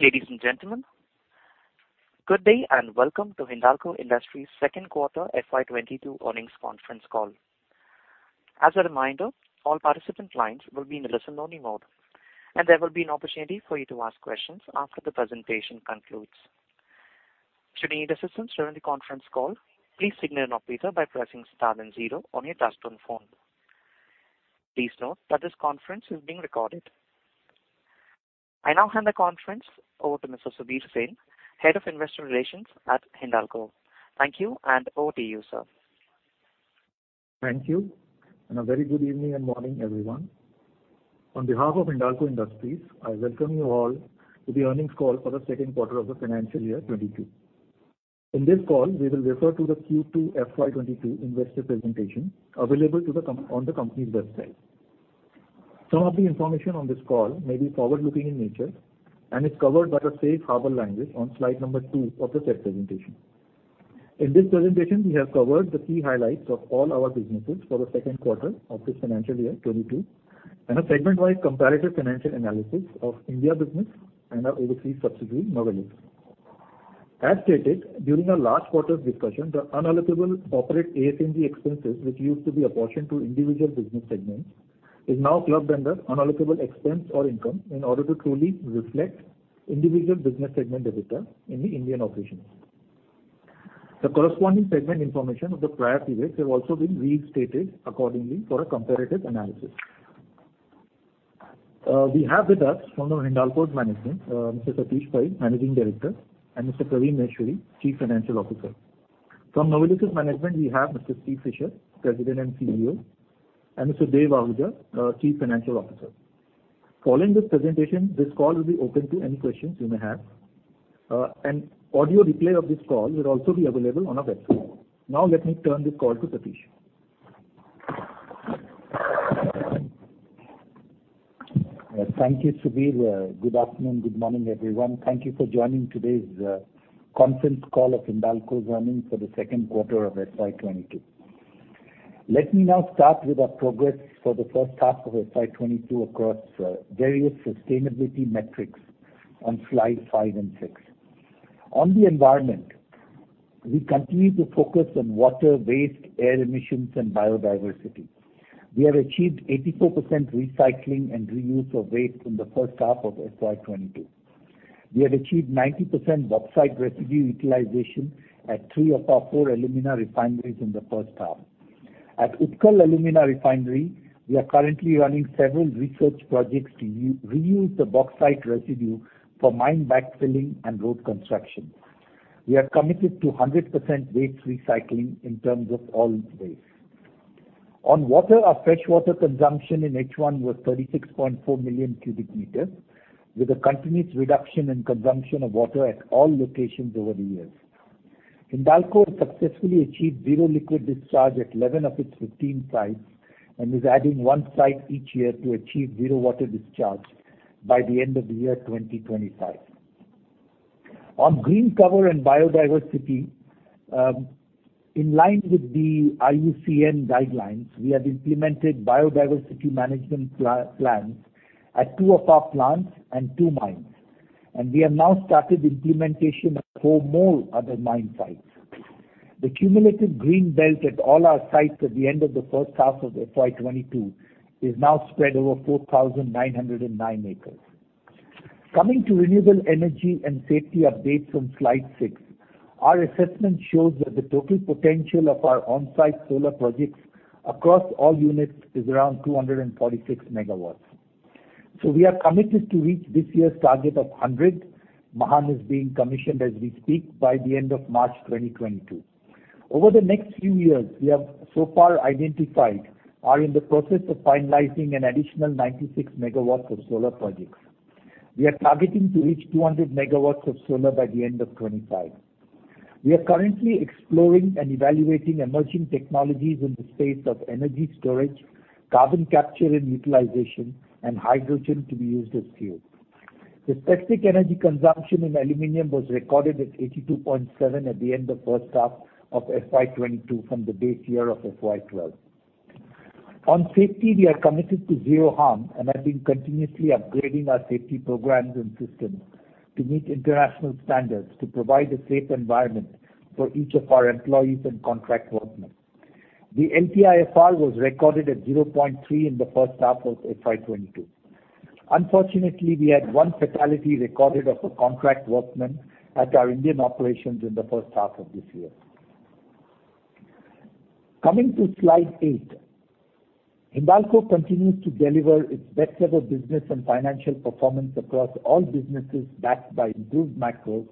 Ladies and gentlemen, good day and welcome to Hindalco Industries second quarter FY 2022 earnings conference call. As a reminder, all participant lines will be in a listen only mode, and there will be an opportunity for you to ask questions after the presentation concludes. Should you need assistance during the conference call, please signal an operator by pressing star and zero on your touchtone phone. Please note that this conference is being recorded. I now hand the conference over to Mr. Subir Sen, Head of Investor Relations at Hindalco. Thank you and over to you, sir. Thank you. A very good evening and morning, everyone. On behalf of Hindalco Industries, I welcome you all to the earnings call for the second quarter of the financial year 2022. In this call, we will refer to the Q2 FY 2022 investor presentation available on the company's website. Some of the information on this call may be forward-looking in nature and is covered by the safe harbor language on slide number 2 of the said presentation. In this presentation, we have covered the key highlights of all our businesses for the second quarter of this financial year 2022, and a segment-wide comparative financial analysis of India business and our overseas subsidiary, Novelis. As stated during our last quarter's discussion, the unallocable corporate SG&A expenses which used to be apportioned to individual business segments is now clubbed under unallocable expense or income in order to truly reflect individual business segment EBITDA in the Indian operations. The corresponding segment information of the prior periods have also been restated accordingly for a comparative analysis. We have with us from the Hindalco management, Mr. Satish Pai, Managing Director, and Mr. Praveen Maheshwari, Chief Financial Officer. From Novelis management we have Mr. Steve Fisher, President and CEO, and Mr. Dev Ahuja, Chief Financial Officer. Following this presentation, this call will be open to any questions you may have. An audio replay of this call will also be available on our website. Now let me turn this call to Satish. Thank you, Subir. Good afternoon, good morning, everyone. Thank you for joining today's conference call of Hindalco's earnings for the second quarter of FY 2022. Let me now start with our progress for the first half of FY 2022 across various sustainability metrics on slide 5 and 6. On the environment, we continue to focus on water, waste, air emissions, and biodiversity. We have achieved 84% recycling and reuse of waste in the first half of FY 2022. We have achieved 90% bauxite residue utilization at three of our four alumina refineries in the first half. At Utkal Alumina Refinery, we are currently running several research projects to reuse the bauxite residue for mine backfilling and road construction. We are committed to 100% waste recycling in terms of all its waste. On water, our freshwater consumption in H1 was 36.4 million cu m, with a continuous reduction in consumption of water at all locations over the years. Hindalco successfully achieved zero liquid discharge at 11 of its 15 sites, and is adding one site each year to achieve zero water discharge by the end of the year 2025. On green cover and biodiversity, in line with the IUCN guidelines, we have implemented biodiversity management plans at two of our plants and two mines. We have now started implementation at four more other mine sites. The cumulative green belt at all our sites at the end of the first half of FY 2022 is now spread over 4,909 acres. Coming to renewable energy and safety updates on slide 6. Our assessment shows that the total potential of our on-site solar projects across all units is around 246 MW. We are committed to reach this year's target of 100. Mahan is being commissioned as we speak by the end of March 2022. Over the next few years, we have so far identified or in the process of finalizing an additional 96 MW of solar projects. We are targeting to reach 200 MW of solar by the end of 2025. We are currently exploring and evaluating emerging technologies in the space of energy storage, carbon capture and utilization, and hydrogen to be used as fuel. The specific energy consumption in aluminum was recorded at 82.7 at the end of first half of FY 2022 from the base year of FY 2012. On safety, we are committed to zero harm and have been continuously upgrading our safety programs and systems to meet international standards to provide a safe environment for each of our employees and contract workmen. The LTIFR was recorded at 0.3 in the first half of FY 2022. Unfortunately, we had one fatality recorded of a contract workman at our Indian operations in the first half of this year. Coming to slide 8. Hindalco continues to deliver its best ever business and financial performance across all businesses, backed by improved macros,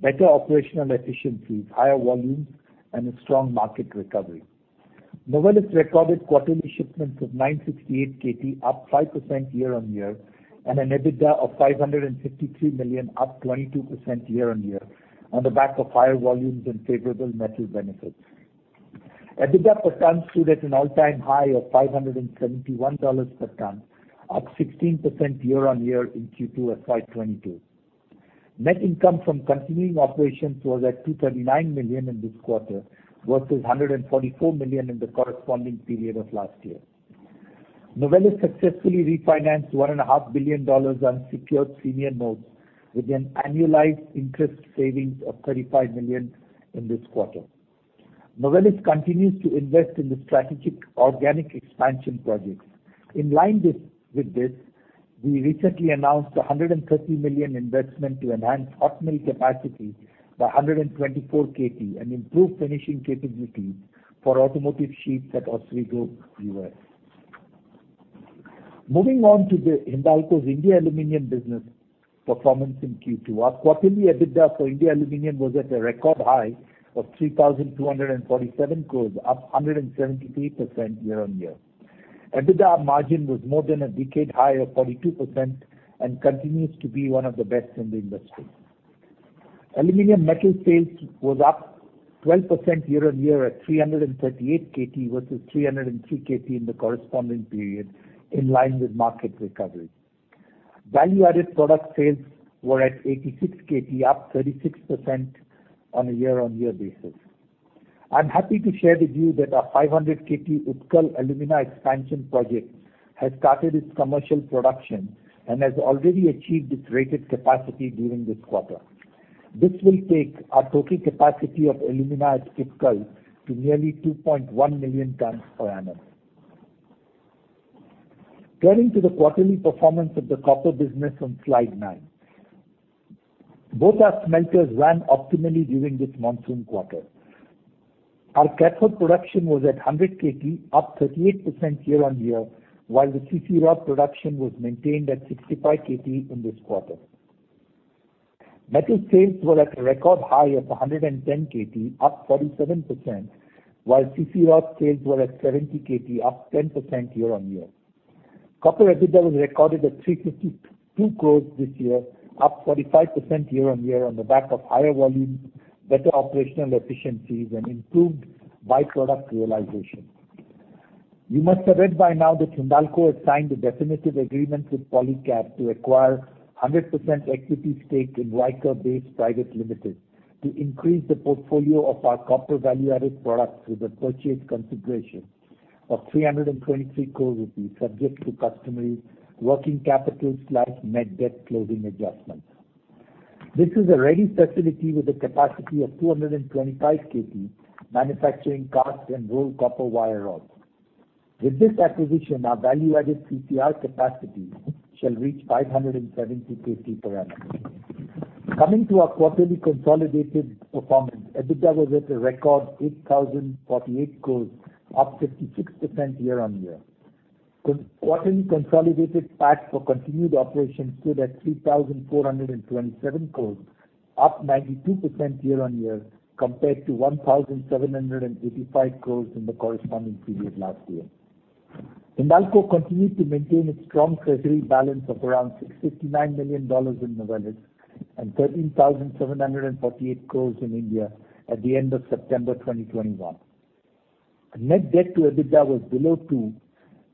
better operational efficiencies, higher volumes, and a strong market recovery. Novelis recorded quarterly shipments of 968 KT, up 5% year-on-year, and an EBITDA of $553 million, up 22% year-on-year on the back of higher volumes and favorable metal benefits. EBITDA per ton stood at an all-time high of $571 per ton, up 16% year-on-year in Q2 FY 2022. Net income from continuing operations was at $239 million in this quarter, versus $144 million in the corresponding period of last year. Novelis successfully refinanced $1.5 billion unsecured senior notes with an annualized interest savings of $35 million in this quarter. Novelis continues to invest in the strategic organic expansion projects. In line with this, we recently announced a $130 million investment to enhance hot mill capacity by 124 KT and improve finishing capabilities for automotive sheets at Oswego, U.S. Moving on to Hindalco's India Aluminium business performance in Q2. Our quarterly EBITDA for India Aluminum was at a record high of 3,247 crore, up 173% year-on-year. EBITDA margin was more than a decade high of 42% and continues to be one of the best in the industry. Aluminum metal sales was up 12% year-on-year at 338 KT versus 303 KT in the corresponding period, in line with market recovery. Value-added product sales were at 86 KT, up 36% on a year-on-year basis. I'm happy to share with you that our 500 KT Utkal alumina expansion project has started its commercial production and has already achieved its rated capacity during this quarter. This will take our total capacity of alumina at Utkal to nearly 2.1 million tons per annum. Turning to the quarterly performance of the copper business on slide 9. Both our smelters ran optimally during this monsoon quarter. Our cathode production was at 100 KT, up 38% year-over-year, while the CC rod production was maintained at 65 KT in this quarter. Metal sales were at a record high of 110 KT, up 47%, while CC rod sales were at 70 KT, up 10% year-over-year. Copper EBITDA was recorded at 352 crores this year, up 45% year-over-year on the back of higher volumes, better operational efficiencies, and improved by-product realization. You must have read by now that Hindalco has signed a definitive agreement with Polycab to acquire 100% equity stake in Ryker Base Private Limited, to increase the portfolio of our copper value-added products with a purchase consideration of 323 crore rupees, subject to customary working capital/net debt closing adjustments. This is a ready facility with a capacity of 225 KT manufacturing cast and rolled copper wire rods. With this acquisition, our value-added CCI capacity shall reach 570 KT per annum. Coming to our quarterly consolidated performance. EBITDA was at a record 8,048 crore, up 56% year-on-year. Quarterly consolidated PAT for continued operations stood at 3,427 crore, up 92% year-on-year compared to 1,785 crore in the corresponding period last year. Hindalco continued to maintain its strong treasury balance of around $659 million in Novelis and 13,748 crores in India at the end of September 2021. Net debt to EBITDA was below 2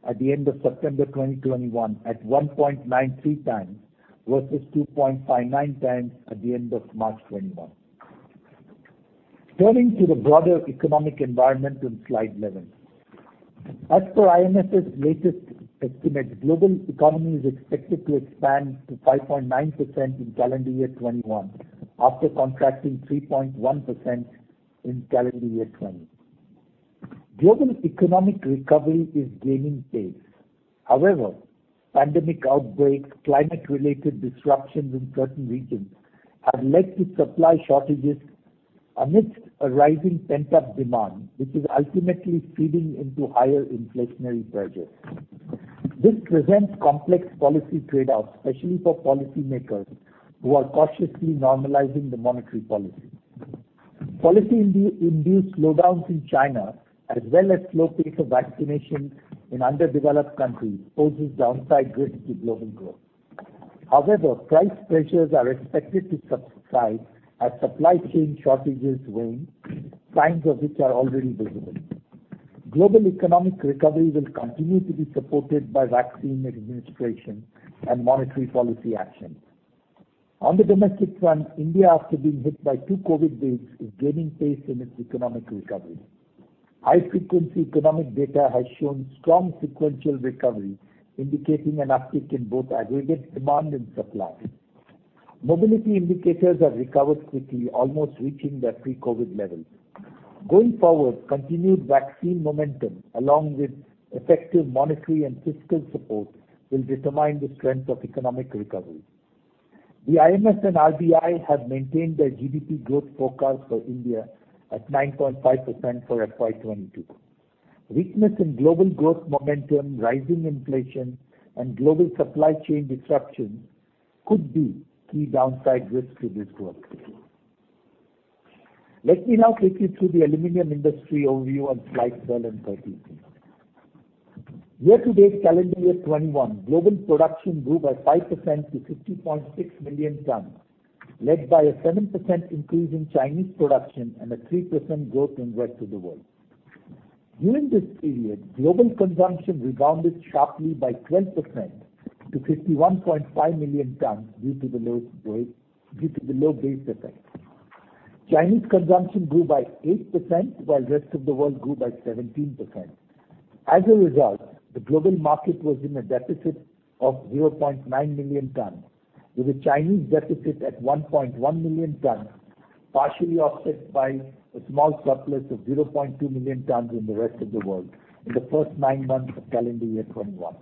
at the end of September 2021, at 1.93 times versus 2.59 times at the end of March 2021. Turning to the broader economic environment on slide 11. As per IMF's latest estimate, global economy is expected to expand to 5.9% in calendar year 2021, after contracting 3.1% in calendar year 2020. Global economic recovery is gaining pace. However, pandemic outbreaks, climate-related disruptions in certain regions have led to supply shortages amidst a rising pent-up demand, which is ultimately feeding into higher inflationary pressures. This presents complex policy trade-offs, especially for policymakers who are cautiously normalizing the monetary policy. Policy-induced slowdowns in China, as well as slow pace of vaccination in underdeveloped countries, pose downside risks to global growth. However, price pressures are expected to subside as supply chain shortages wane, signs of which are already visible. Global economic recovery will continue to be supported by vaccine administration and monetary policy actions. On the domestic front, India, after being hit by two COVID waves, is gaining pace in its economic recovery. High-frequency economic data has shown strong sequential recovery, indicating an uptick in both aggregate demand and supply. Mobility indicators have recovered quickly, almost reaching their pre-COVID levels. Going forward, continued vaccine momentum, along with effective monetary and fiscal support, will determine the strength of economic recovery. The IMF and RBI have maintained their GDP growth forecast for India at 9.5% for FY 2022. Weakness in global growth momentum, rising inflation, and global supply chain disruptions could be key downside risks to this growth story. Let me now take you through the aluminum industry overview on slides 12 and 13. Year-to-date calendar year 2021, global production grew by 5% to 50.6 million tons, led by a 7% increase in Chinese production and a 3% growth in rest of the world. During this period, global consumption rebounded sharply by 12% to 51.5 million tons due to the low base, due to the low base effect. Chinese consumption grew by 8%, while rest of the world grew by 17%. As a result, the global market was in a deficit of 0.9 million tons, with a Chinese deficit at 1.1 million tons, partially offset by a small surplus of 0.2 million tons in the rest of the world in the first nine months of calendar year 2021.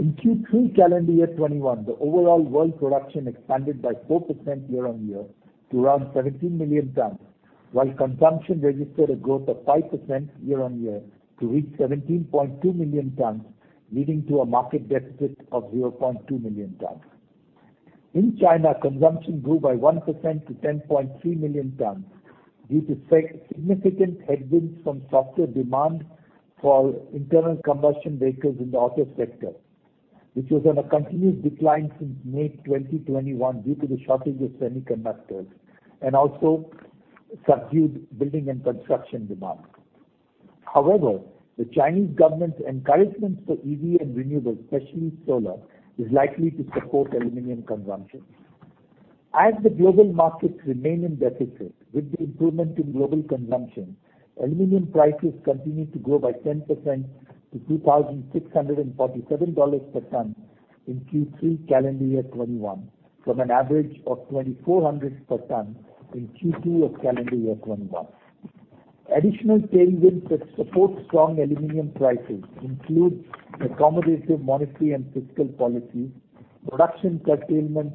In Q3 calendar year 2021, the overall world production expanded by 4% year-on-year to around 17 million tons, while consumption registered a growth of 5% year-on-year to reach 17.2 million tons, leading to a market deficit of 0.2 million tons. In China, consumption grew by 1% to 10.3 million tons due to significant headwinds from softer demand for internal combustion vehicles in the auto sector, which was on a continuous decline since May 2021 due to the shortage of semiconductors and also subdued building and construction demand. However, the Chinese government's encouragement for EV and renewables, especially solar, is likely to support aluminum consumption. As the global markets remain in deficit with the improvement in global consumption, aluminum prices continued to grow by 10% to $2,647 per ton in Q3 calendar year 2021 from an average of 2,400 per ton in Q2 of calendar year 2021. Additional tailwinds that support strong aluminum prices includes accommodative monetary and fiscal policy, production curtailment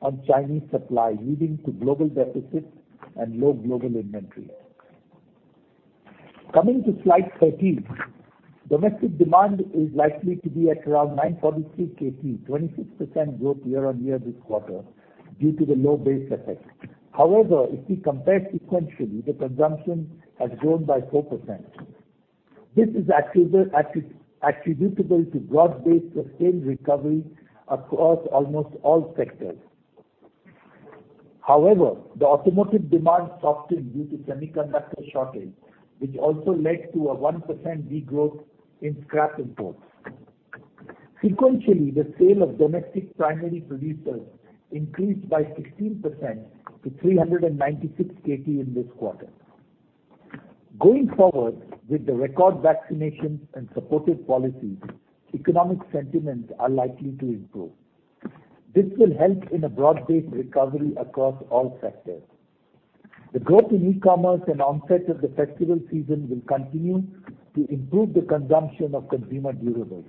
on Chinese supply, leading to global deficits and low global inventories. Coming to slide 13. Domestic demand is likely to be at around 943 KT, 26% growth year-on-year this quarter due to the low base effect. However, if we compare sequentially, the consumption has grown by 4%. This is attributable to broad-based sustained recovery across almost all sectors. However, the automotive demand softened due to semiconductor shortage, which also led to a 1% de-growth in scrap imports. Sequentially, the sale of domestic primary producers increased by 16% to 396 KT in this quarter. Going forward, with the record vaccinations and supportive policies, economic sentiments are likely to improve. This will help in a broad-based recovery across all sectors. The growth in e-commerce and onset of the festival season will continue to improve the consumption of consumer durables.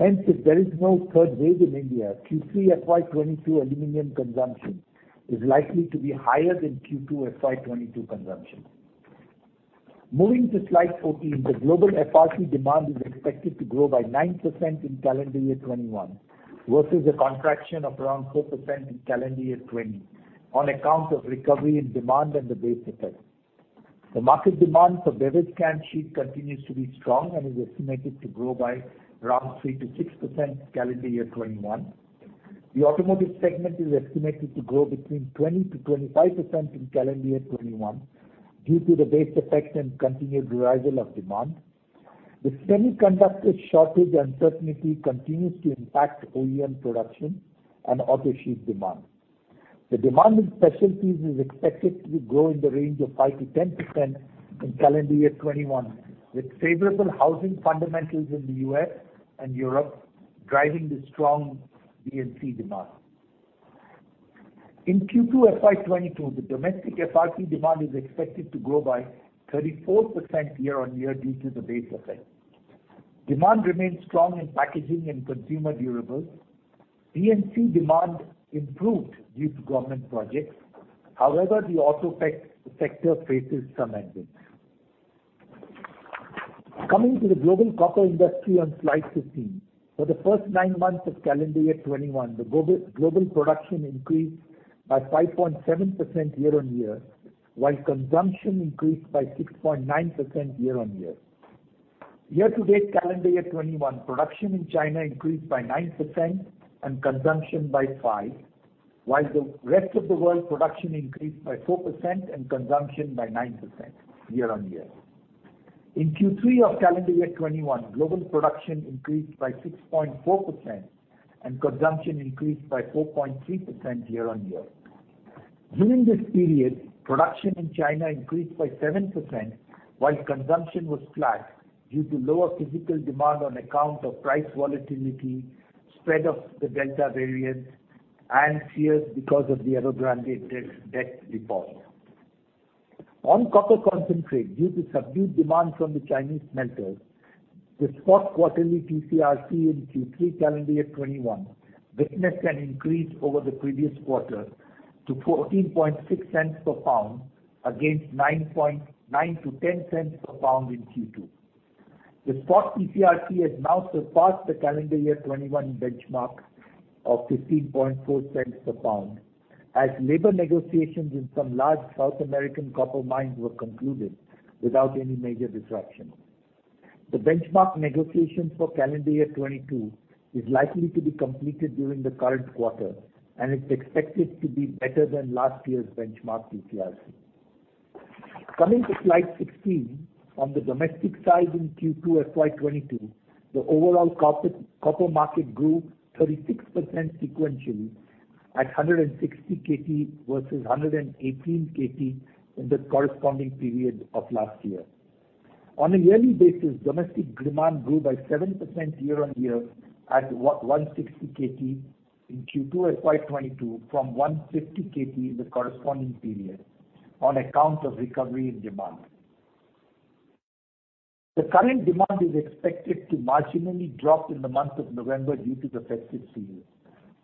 Hence, if there is no third wave in India, Q3 FY 2022 aluminum consumption is likely to be higher than Q2 FY 2022 consumption. Moving to slide 14. The global FRP demand is expected to grow by 9% in calendar year 2021 versus a contraction of around 4% in calendar year 2020 on account of recovery in demand and the base effect. The market demand for beverage can sheet continues to be strong and is estimated to grow by around 3%-6% calendar year 2021. The automotive segment is estimated to grow between 20%-25% in calendar year 2021 due to the base effect and continued revival of demand. The semiconductor shortage uncertainty continues to impact OEM production and auto sheet demand. The demand in specialties is expected to grow in the range of 5%-10% in calendar year 2021, with favorable housing fundamentals in the U.S. and Europe driving the strong D&C demand. In Q2 FY 2022, the domestic FRP demand is expected to grow by 34% year-on-year due to the base effect. Demand remains strong in packaging and consumer durables. D&C demand improved due to government projects. However, the auto sector faces some headwinds. Coming to the global copper industry on slide 15. For the first nine months of calendar year 2021, the global production increased by 5.7% year-on-year, while consumption increased by 6.9% year-on-year. Year-to-date calendar year 2021, production in China increased by 9% and consumption by 5%, while the rest of the world production increased by 4% and consumption by 9% year-on-year. In Q3 of calendar year 2021, global production increased by 6.4% and consumption increased by 4.3% year-on-year. During this period, production in China increased by 7%, while consumption was flat due to lower physical demand on account of price volatility, spread of the Delta variant, and fears because of the Evergrande debt default. On copper concentrate, due to subdued demand from the Chinese smelters, the spot quarterly TCRC in Q3 2021 witnessed an increase over the previous quarter to $0.146 per pound against $0.099-$0.10 per pound in Q2. The spot TCRC has now surpassed the 2021 benchmark of $0.154 per pound as labor negotiations in some large South American copper mines were concluded without any major disruption. The benchmark negotiations for 2022 is likely to be completed during the current quarter, and it's expected to be better than last year's benchmark. Coming to slide 16. On the domestic side in Q2 FY 2022, the overall copper market grew 36% sequentially at 160 KT versus 118 KT in the corresponding period of last year. On a yearly basis, domestic demand grew by 7% year-on-year at 160 KT in Q2 FY 2022 from 150 KT in the corresponding period on account of recovery in demand. The current demand is expected to marginally drop in the month of November due to the festive season.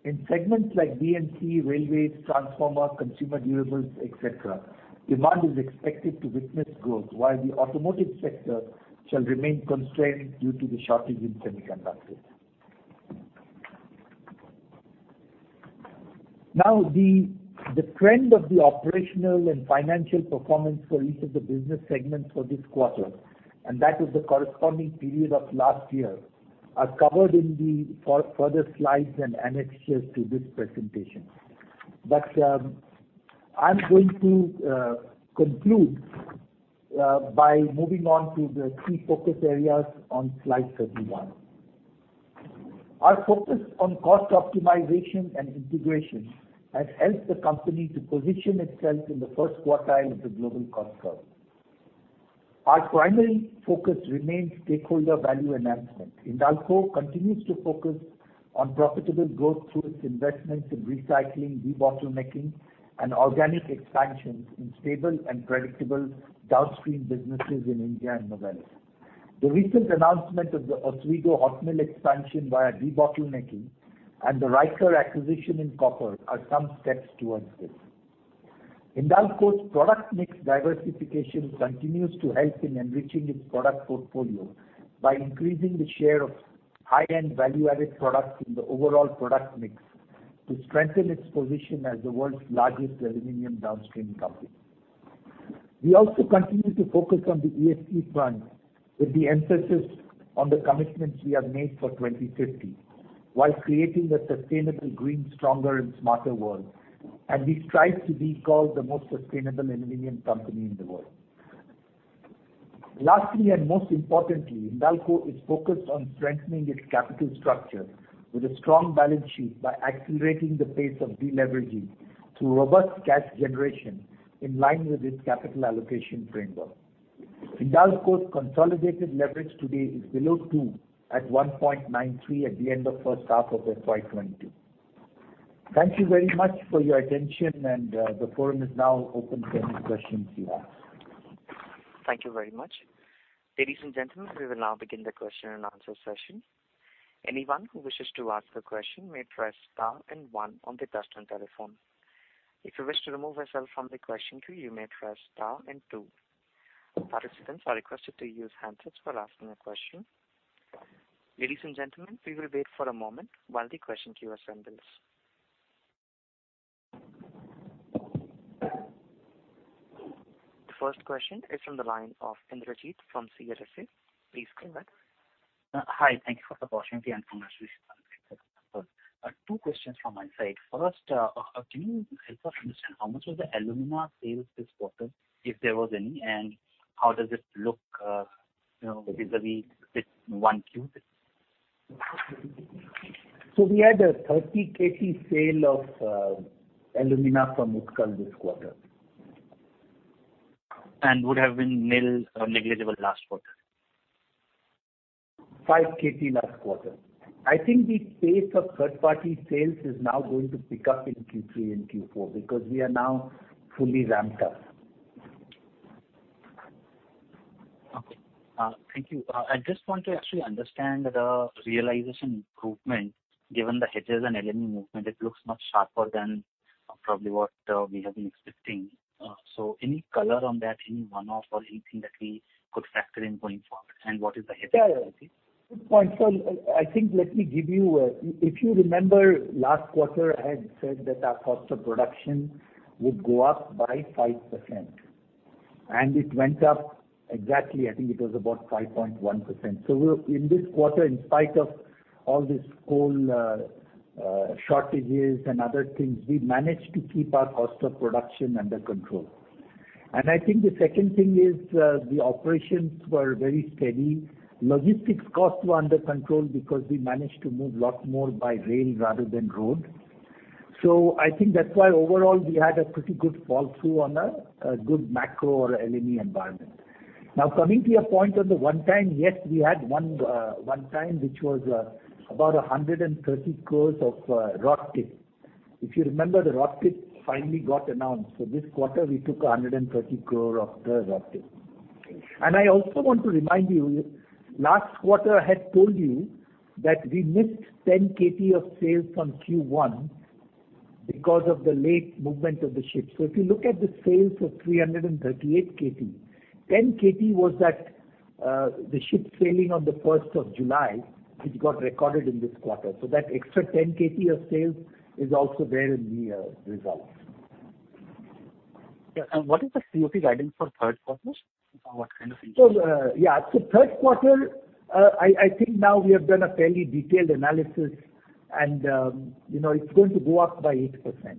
In segments like D&C, railways, transformer, consumer durables, etc., demand is expected to witness growth while the automotive sector shall remain constrained due to the shortage in semiconductors. Now, the trend of the operational and financial performance for each of the business segments for this quarter, and that is the corresponding period of last year, are covered in the further slides and annexures to this presentation. I'm going to conclude by moving on to the three focus areas on slide 31. Our focus on cost optimization and integration has helped the company to position itself in the first quartile of the global cost curve. Our primary focus remains stakeholder value enhancement. Hindalco continues to focus on profitable growth through its investments in recycling, debottlenecking and organic expansions in stable and predictable downstream businesses in India and Norway. The recent announcement of the Oswego hot mill expansion via debottlenecking and the Ryker acquisition in copper are some steps towards this. Hindalco's product mix diversification continues to help in enriching its product portfolio by increasing the share of high-end value-added products in the overall product mix to strengthen its position as the world's largest aluminum downstream company. We also continue to focus on the ESG front, with the emphasis on the commitments we have made for 2050, while creating a sustainable, green, stronger and smarter world, and we strive to be called the most sustainable aluminum company in the world. Lastly, and most importantly, Hindalco is focused on strengthening its capital structure with a strong balance sheet by accelerating the pace of deleveraging through robust cash generation in line with its capital allocation framework. Hindalco's consolidated leverage today is below 2 at 1.93 at the end of first half of FY 2022. Thank you very much for your attention, and the forum is now open for any questions you have. Thank you very much. Ladies and gentlemen, we will now begin the question-and-answer session. Anyone who wishes to ask a question may press star and one on the touchtone telephone. If you wish to remove yourself from the question queue, you may press star and two. Participants are requested to use handsets for asking a question. Ladies and gentlemen, we will wait for a moment while the question queue assembles. The first question is from the line of Indrajit Agarwal from CLSA. Please go ahead. Hi. Thank you for the opportunity and congratulations. Two questions from my side. First, can you help us understand how much was the alumina sales this quarter, if there was any, and how does it look, you know, vis-a-vis with 1Q? We had a 30 KT sale of alumina from Utkal this quarter. Would have been nil or negligible last quarter? 5 KT last quarter. I think the pace of third-party sales is now going to pick up in Q3 and Q4 because we are now fully ramped up. Okay. Thank you. I just want to actually understand the realization improvement, given the hedges and LME movement. It looks much sharper than probably what we have been expecting. Any color on that, any one-off or anything that we could factor in going forward, and what is the hedge policy? Yeah, good point. I think let me give you. If you remember last quarter, I had said that our cost of production would go up by 5%, and it went up exactly, I think it was about 5.1%. We're in this quarter, in spite of all these coal shortages and other things, we managed to keep our cost of production under control. I think the second thing is, the operations were very steady. Logistics costs were under control because we managed to move lot more by rail rather than road. I think that's why overall we had a pretty good flow through on a good macro or LME environment. Now coming to your point on the one time, yes, we had one time, which was about 130 crores of RoDTEP. If you remember, the RoDTEP finally got announced. This quarter we took 130 crore of the RoDTEP. I also want to remind you, last quarter I had told you that we missed 10 KT of sales from Q1 because of the late movement of the ship. If you look at the sales of 338 KT, 10 KT was that, the ship sailing on the first of July, which got recorded in this quarter. That extra 10 KT of sales is also there in the results. Yeah. What is the COP guidance for third quarter? For what kind of inflation? Third quarter, I think now we have done a fairly detailed analysis and, you know, it's going to go up by 8%.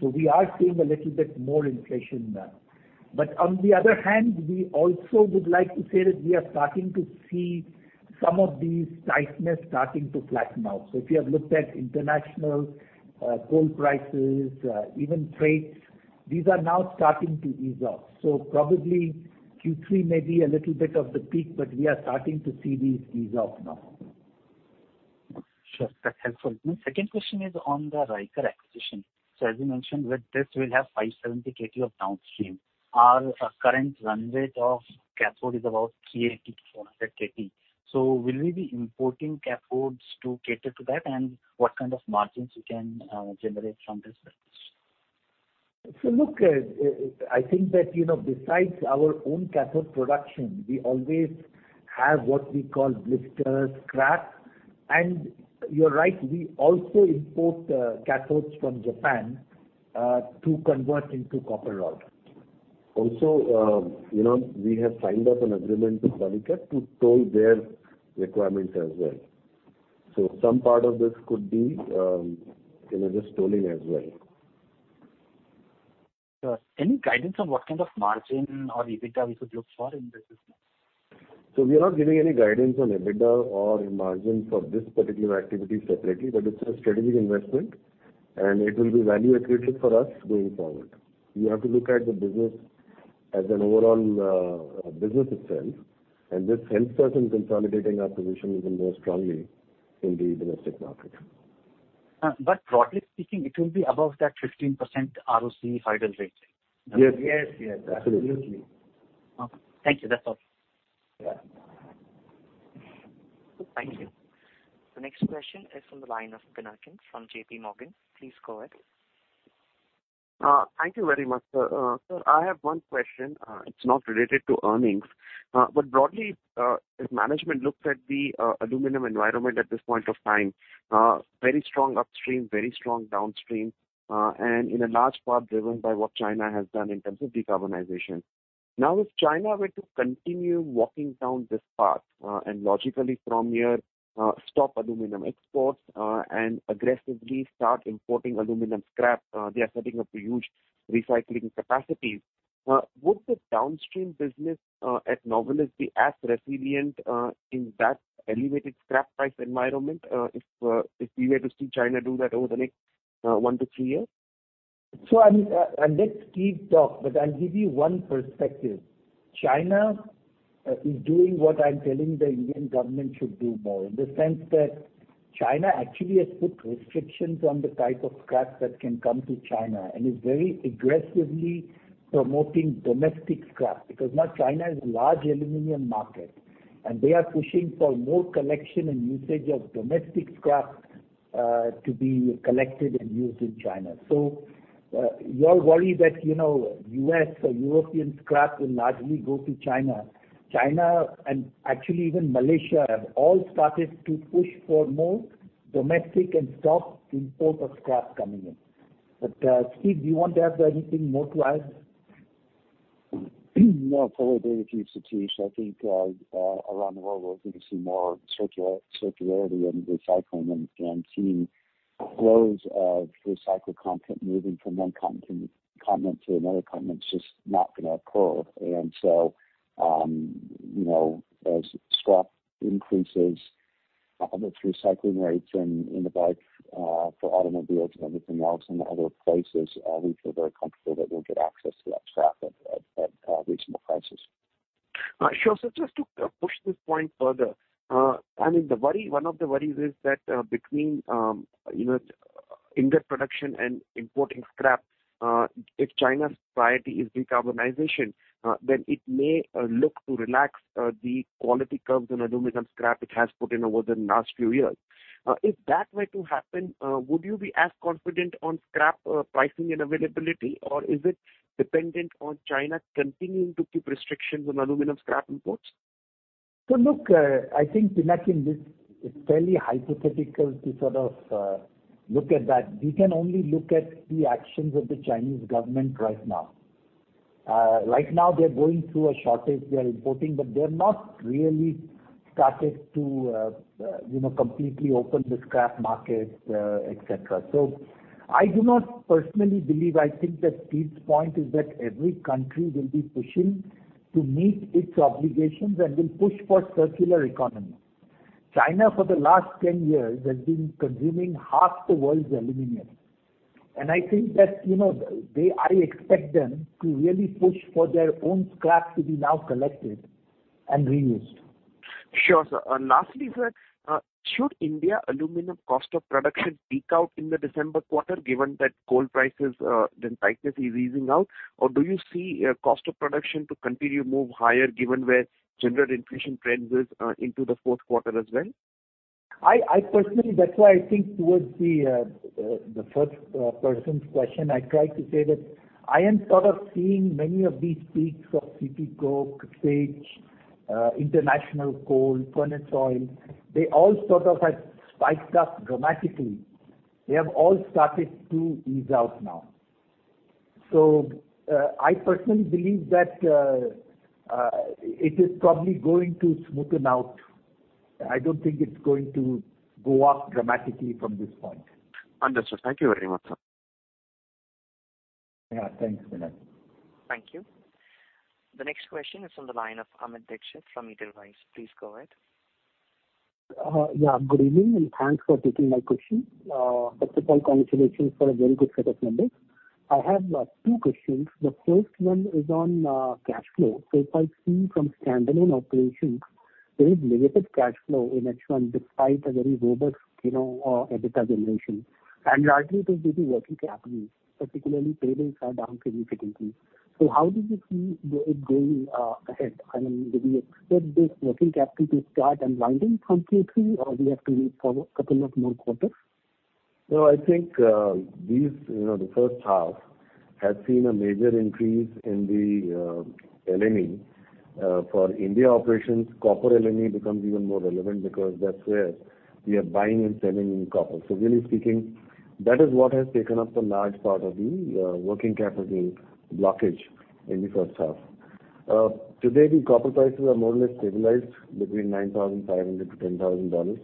We are seeing a little bit more inflation there. On the other hand, we also would like to say that we are starting to see some of these tightness starting to flatten out. If you have looked at international coal prices, even freight, these are now starting to ease off. Probably Q3 may be a little bit of the peak, but we are starting to see these ease off now. Sure. That's helpful. My second question is on the Ryker acquisition. As you mentioned, with this we'll have 570 KT of downstream. Our current run rate of cathode is about 380-400 KT. Will we be importing cathodes to cater to that? What kind of margins we can generate from this business? Look, I think that, you know, besides our own cathode production, we always have what we call blister scrap. You're right, we also import, cathodes from Japan, to convert into copper rod. Also, you know, we have signed up an agreement with Ryker to toll their requirements as well. Some part of this could be, you know, just tolling as well. Sure. Any guidance on what kind of margin or EBITDA we could look for in this business? We are not giving any guidance on EBITDA or margins for this particular activity separately. It's a strategic investment, and it will be value accretive for us going forward. You have to look at the business as an overall business itself, and this helps us in consolidating our position even more strongly in the domestic market. Broadly speaking, it will be above that 15% ROCE hurdle rate. Yes. Yes. Yes. Absolutely. Absolutely. Okay. Thank you. That's all. Yeah. Thank you. The next question is from the line of Pinakin from JPMorgan. Please go ahead. Thank you very much, sir. Sir, I have one question. It's not related to earnings. Broadly, if management looks at the aluminum environment at this point of time, very strong upstream, very strong downstream, and in a large part driven by what China has done in terms of decarbonization. Now, if China were to continue walking down this path, and logically from here, stop aluminum exports, and aggressively start importing aluminum scrap, they are setting up huge recycling capacities. Would the downstream business at Novelis be as resilient in that elevated scrap price environment, if we were to see China do that over the next 1-3 years? I mean, and let Steve talk, but I'll give you one perspective. China is doing what I'm telling the Indian government should do more, in the sense that China actually has put restrictions on the type of scrap that can come to China, and is very aggressively promoting domestic scrap. Because now China is a large aluminum market, and they are pushing for more collection and usage of domestic scrap, to be collected and used in China. You all worry that, you know, U.S. or European scrap will largely go to China. China and actually even Malaysia have all started to push for more domestic and stop import of scrap coming in. Steve, do you want to add anything more to add? No. Probably agree with you, Satish. I think around the world we're gonna see more circularity and recycling. Seeing flows of recycled content moving from one continent to another continent is just not gonna occur. You know, as scrap increases, the recycling rates in the bike for automobiles and everything else in other places, we feel very comfortable that we'll get access to that scrap at reasonable prices. Just to push this point further. I mean, the worry, one of the worries is that, between, you know, ingots production and importing scrap, if China's priority is decarbonization, then it may look to relax the quality curbs on aluminum scrap it has put in over the last few years. If that were to happen, would you be as confident on scrap pricing and availability, or is it dependent on China continuing to keep restrictions on aluminum scrap imports? Look, I think, Pinakin, this is fairly hypothetical to sort of look at that. We can only look at the actions of the Chinese government right now. Right now they're going through a shortage. They are importing, but they haven't really started to, you know, completely open the scrap market, et cetera. I do not personally believe. I think that Steve's point is that every country will be pushing to meet its obligations and will push for circular economy. China, for the last 10 years has been consuming half the world's aluminum. I think that, you know, they I expect them to really push for their own scrap to be now collected and reused. Sure, sir. Lastly, sir, should Indian aluminum cost of production peak out in the December quarter given that coal prices, the tightness is easing out? Or do you see, cost of production to continue move higher given where general inflation trends is, into the fourth quarter as well? I personally, that's why I think towards the first person's question, I tried to say that I am sort of seeing many of these peaks of seaborne coke, international coal, furnace oil, they all sort of have spiked up dramatically. They have all started to ease out now. I personally believe that it is probably going to smoothen out. I don't think it's going to go up dramatically from this point. Understood. Thank you very much, sir. Yeah, thanks, Pinakin. Thank you. The next question is on the line of Amit Dixit from Edelweiss. Please go ahead. Yeah, good evening, and thanks for taking my question. First of all, congratulations for a very good set of numbers. I have two questions. The first one is on cash flow. If I've seen from standalone operations, there is limited cash flow in H1 despite a very robust, you know, EBITDA generation. Largely it is due to working capital, particularly payables are down significantly. How do you see the way going ahead? I mean, do we expect this working capital to start unwinding from Q3, or we have to wait for a couple of more quarters? No, I think, these, you know, the first half has seen a major increase in the LME. For India operations, copper LME becomes even more relevant because that's where we are buying and selling in copper. So really speaking, that is what has taken up the large part of the working capital blockage in the first half. Today the copper prices are more or less stabilized between $9,500-$10,000.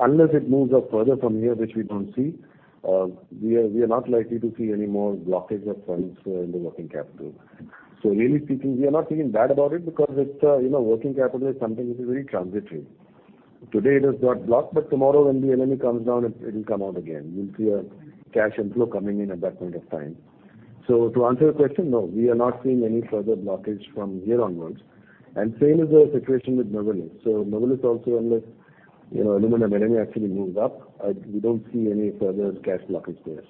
Unless it moves up further from here, which we don't see, we are not likely to see any more blockage of funds in the working capital. So really speaking, we are not feeling bad about it because it's, you know, working capital is something which is very transitory. Today it has got blocked, but tomorrow when the LME comes down, it'll come out again. We'll see a cash inflow coming in at that point of time. To answer your question, no, we are not seeing any further blockage from here onwards. Same is the situation with Novelis. Novelis is also unless, you know, aluminum LME actually moves up, we don't see any further cash blockage there.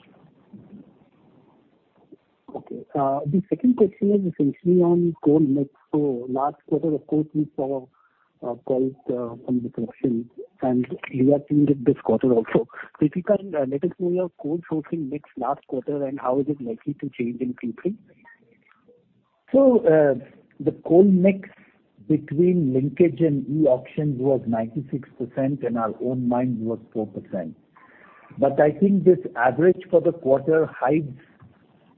Okay. The second question is essentially on coal mix. Last quarter, of course, we saw a fall in production, and we are seeing it this quarter also. If you can let us know your coal sourcing mix last quarter, and how is it likely to change in Q3? The coal mix between linkage and e-auction was 96%, and our own mine was 4%. I think this average for the quarter hides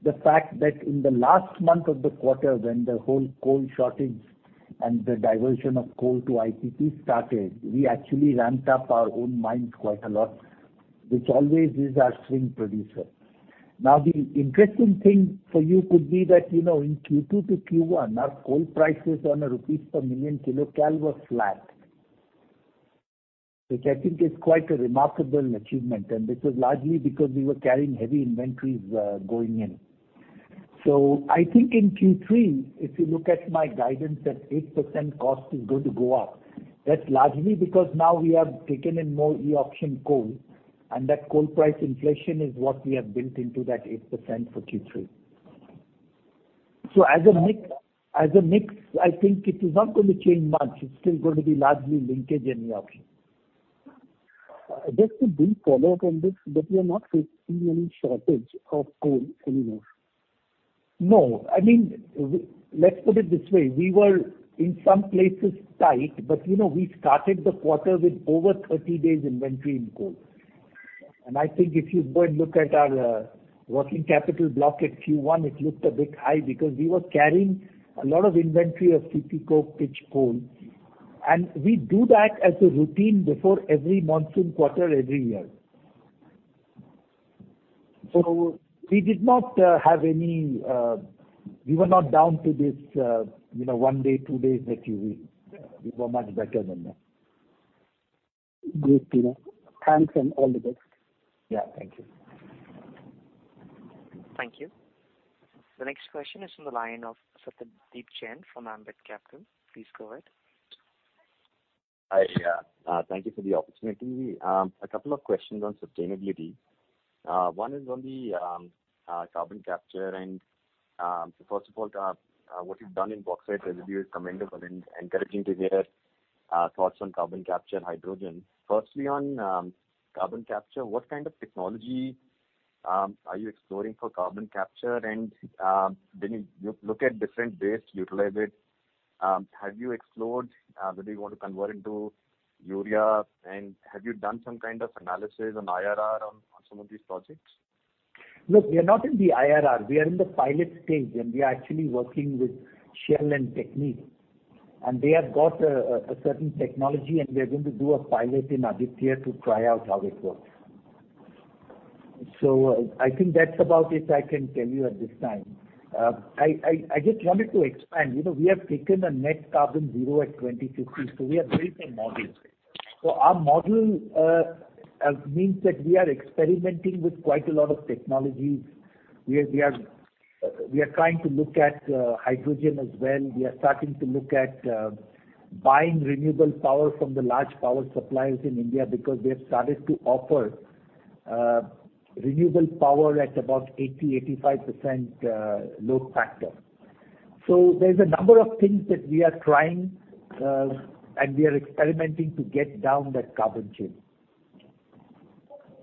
the fact that in the last month of the quarter, when the whole coal shortage and the diversion of coal to IPP started, we actually ramped up our own mine quite a lot, which always is our swing producer. Now, the interesting thing for you could be that, you know, in Q2 to Q1, our coal prices on a rupee per million kcal were flat, which I think is quite a remarkable achievement, and this was largely because we were carrying heavy inventories going in. I think in Q3, if you look at my guidance that 8% cost is going to go up, that's largely because now we have taken in more e-auction coal, and that coal price inflation is what we have built into that 8% for Q3. As a mix, I think it is not gonna change much. It's still gonna be largely linkage and e-auction. Just a brief follow-up on this, but we are not facing any shortage of coal anymore? No. I mean, let's put it this way. We were in some places tight, but, you know, we started the quarter with over 30 days inventory in coal. I think if you go and look at our working capital block at Q1, it looked a bit high because we were carrying a lot of inventory of CPC, pitch, coal. We do that as a routine before every monsoon quarter every year. We did not have any. We were not down to this, you know, one day, two days that you read. We were much better than that. Great to know. Thanks, and all the best. Yeah, thank you. Thank you. The next question is from the line of Satyadeep Jain from Ambit Capital. Please go ahead. Hi. Thank you for the opportunity. A couple of questions on sustainability. One is on the carbon capture. First of all, what you've done in bauxite residue is commendable and encouraging to hear thoughts on carbon capture and hydrogen. Firstly, on carbon capture, what kind of technology are you exploring for carbon capture? Did you look at different ways to utilize it? Have you explored whether you want to convert into urea? Have you done some kind of analysis on IRR on some of these projects? Look, we are not in the IRR. We are in the pilot stage, and we are actually working with Shell and Technip. They have got a certain technology, and we are going to do a pilot in Aditya to try out how it works. I think that's about it I can tell you at this time. I just wanted to expand. You know, we have taken a net carbon zero at 2050, so we are building a model. Our model means that we are experimenting with quite a lot of technologies. We are trying to look at hydrogen as well. We are starting to look at buying renewable power from the large power suppliers in India because they have started to offer renewable power at about 80%-85% load factor. There's a number of things that we are trying, and we are experimenting to get down that carbon chain.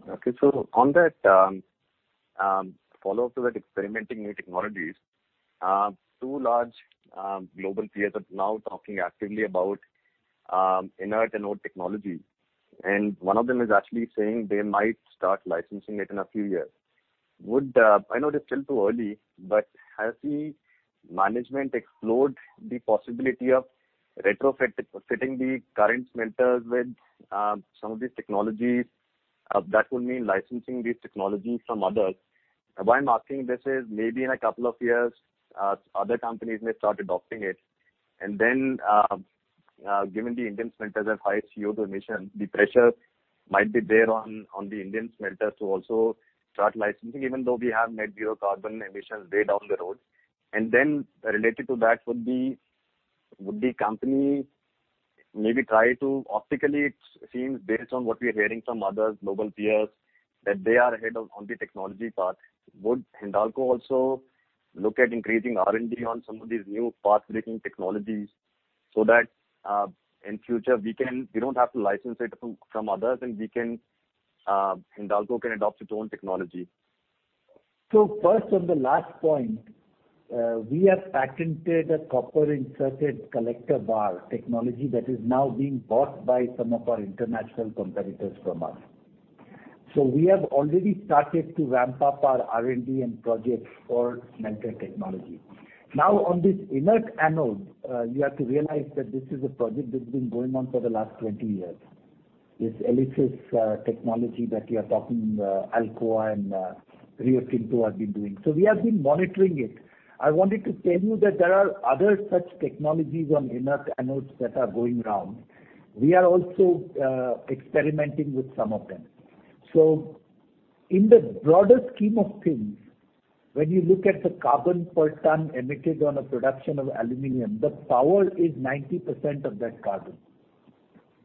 Okay. On that, follow-up to that experimenting new technologies, two large global peers are now talking actively about inert anode technology, and one of them is actually saying they might start licensing it in a few years. I know it's still too early, but has the management explored the possibility of retrofitting the current smelters with some of these technologies? That would mean licensing these technologies from others. Why I'm asking this is maybe in a couple of years, so other companies may start adopting it. Then, given the Indian smelters have high CO2 emissions, the pressure might be there on the Indian smelters to also start licensing, even though we have net zero carbon emissions way down the road. Related to that would be, would the company maybe try to optically it seems based on what we are hearing from others, global peers, that they are ahead of on the technology part. Would Hindalco also look at increasing R&D on some of these new pathbreaking technologies so that in future we don't have to license it from others, and we can, Hindalco can adopt its own technology. First, on the last point, we have patented a copper inserted collector bar technology that is now being bought by some of our international competitors from us. We have already started to ramp up our R&D and projects for smelter technology. Now, on this inert anode, you have to realize that this is a project that's been going on for the last 20 years. This ELYSIS technology that you are talking about, Alcoa and Rio Tinto have been doing. We have been monitoring it. I wanted to tell you that there are other such technologies on inert anodes that are going around. We are also experimenting with some of them. In the broader scheme of things, when you look at the carbon per ton emitted on a production of aluminum, the power is 90% of that carbon.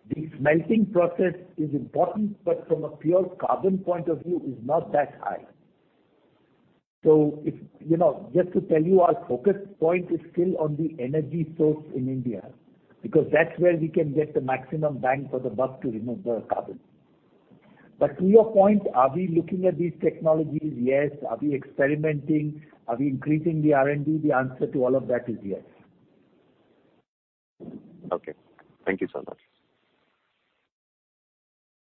The smelting process is important, but from a pure carbon point of view is not that high. You know, just to tell you, our focus point is still on the energy source in India, because that's where we can get the maximum bang for the buck to remove the carbon. To your point, are we looking at these technologies? Yes. Are we experimenting? Are we increasing the R&D? The answer to all of that is yes. Okay. Thank you so much.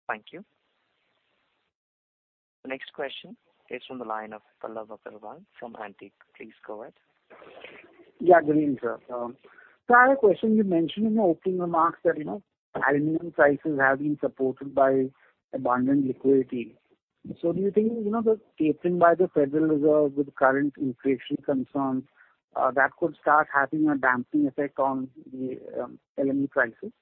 Thank you. The next question is from the line of Pallav Agarwal from Antique. Please go ahead. Yeah, good evening, sir. I have a question. You mentioned in your opening remarks that, you know, aluminum prices have been supported by abundant liquidity. Do you think, you know, the tapering by the Federal Reserve with current inflation concerns, that could start having a damping effect on the, LME prices?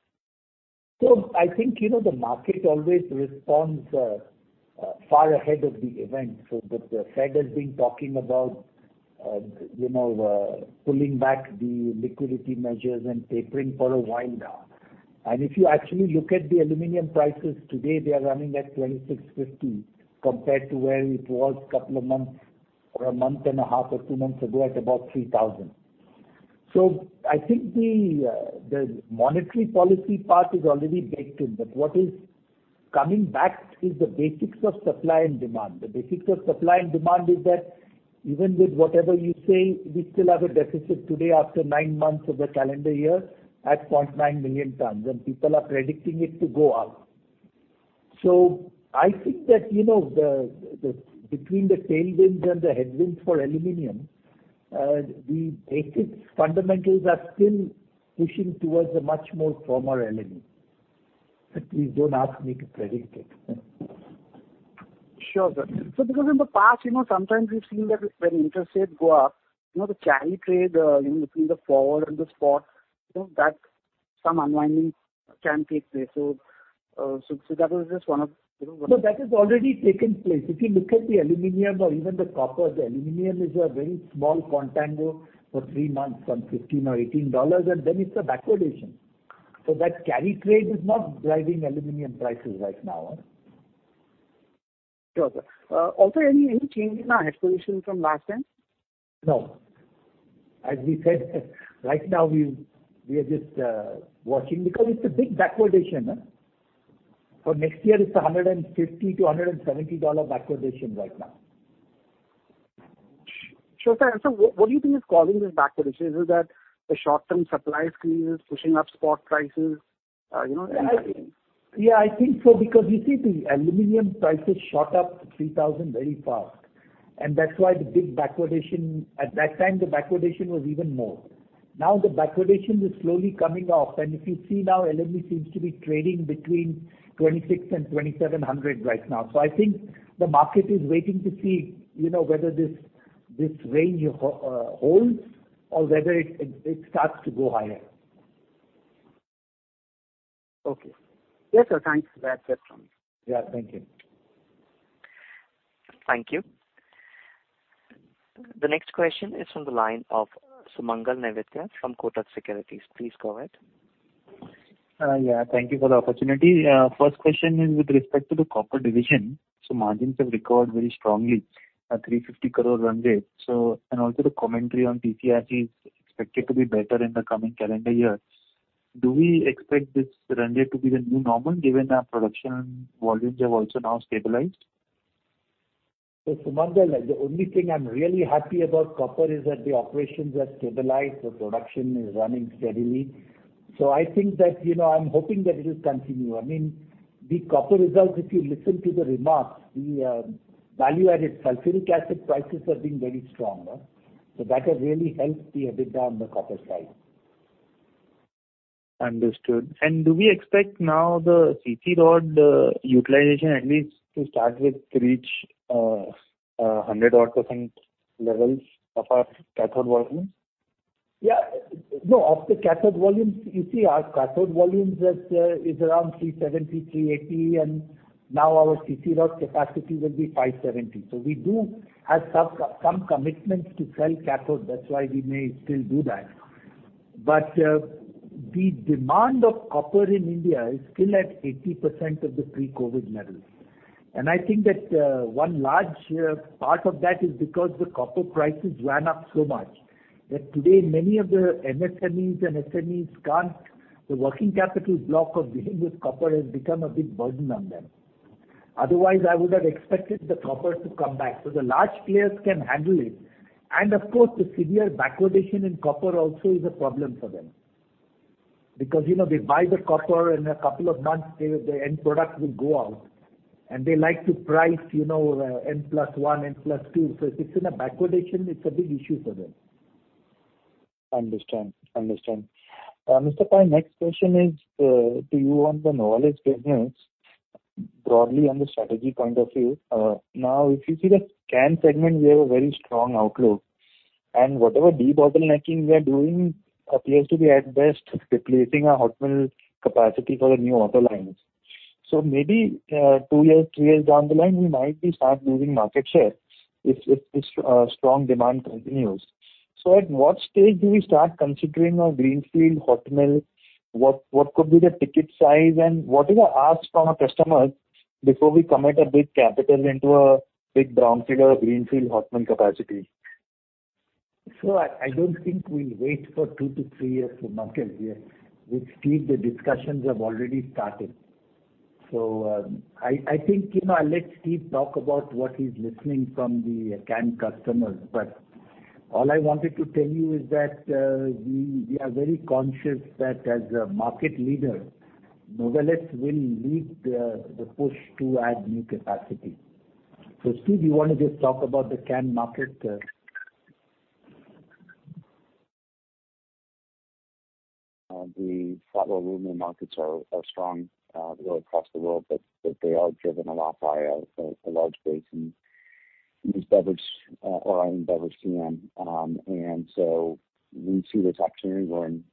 I think, you know, the market always responds far ahead of the event. The Fed has been talking about you know pulling back the liquidity measures and tapering for a while now. If you actually look at the aluminum prices today, they are running at $2,650 compared to where it was a couple of months or a month and a half or two months ago at about $3,000. I think the monetary policy part is already baked in. What is coming back is the basics of supply and demand. The basics of supply and demand is that even with whatever you say, we still have a deficit today after nine months of the calendar year at 0.9 million tons, and people are predicting it to go up. I think that, you know, the between the tailwinds and the headwinds for aluminum, the basic fundamentals are still pushing towards a much more firmer LME. Please don't ask me to predict it. Sure, sir. Because in the past, you know, sometimes we've seen that when interest rates go up, you know, the carry trade, you know, between the forward and the spot, you know, that some unwinding can take place. So that was just one of, you know, one- No, that has already taken place. If you look at the aluminum or even the copper, the aluminum is a very small contango for three months from $15 or $18, and then it's a backwardation. That carry trade is not driving aluminum prices right now. Sure, sir. Also any change in our hedge position from last time? No. As we said, right now we are just watching because it's a big backwardation. For next year it's a $150-$170 backwardation right now. Sure, sir. What do you think is causing this backwardation? Is it that the short-term supply squeeze is pushing up spot prices? You know, any Yeah, I think so, because you see the aluminum prices shot up to $3,000 very fast. That's why the big backwardation. At that time, the backwardation was even more. Now the backwardation is slowly coming off. If you see now, LME seems to be trading between $2,600 and $2,700 right now. I think the market is waiting to see, you know, whether this range holds or whether it starts to go higher. Okay. Yes, sir. Thanks for that insight. Yeah. Thank you. Thank you. The next question is from the line of Sumangal Nevatia from Kotak Securities. Please go ahead. Thank you for the opportunity. First question is with respect to the copper division. Margins have recovered very strongly at 350 crore run rate. The commentary on TCRC is expected to be better in the coming calendar year. Do we expect this run rate to be the new normal given our production volumes have also now stabilized? Sumangal, like the only thing I'm really happy about copper is that the operations are stabilized, the production is running steadily. I think that, you know, I'm hoping that it will continue. I mean, the copper results, if you listen to the remarks, the value-added sulfuric acid prices have been very strong. That has really helped the EBITDA on the copper side. Understood. Do we expect now the CC rod utilization at least to start with to reach a 100%-odd levels of our cathode volumes? Of the cathode volumes, you see our cathode volumes is around 370-380, and now our CC rod capacity will be 570. We do have some commitments to sell cathode. That's why we may still do that. The demand of copper in India is still at 80% of the pre-COVID levels. I think that one large part of that is because the copper prices ran up so much that today many of the MSMEs and SMEs can't. The working capital block of dealing with copper has become a big burden on them. Otherwise, I would have expected the copper to come back. The large players can handle it. Of course, the severe backwardation in copper also is a problem for them. Because, you know, they buy the copper, in a couple of months the end product will go out, and they like to price, you know, N +1, N +2. So if it's in a backwardation, it's a big issue for them. Mr. Pai, next question is to you on the Novelis business, broadly on the strategy point of view. Now if you see the can segment, we have a very strong outlook. Whatever debottlenecking we are doing appears to be at best replacing our hot mill capacity for the new auto lines. Maybe two years, three years down the line, we might start losing market share if this strong demand continues. At what stage do we start considering a greenfield hot mill? What could be the ticket size and what is the ask from our customers before we commit a big capital into a big brownfield or a greenfield hot mill capacity? I don't think we'll wait for 2-3 years for market here. With Steve, the discussions have already started. I think, you know, I'll let Steve talk about what he's hearing from the can customers. But all I wanted to tell you is that we are very conscious that as a market leader, Novelis will lead the push to add new capacity. Steve, you wanna just talk about the can market? The flat roll aluminum markets are strong really across the world, but they are driven a lot by a large base in these beverage or in beverage can. We see this opportunity. We're in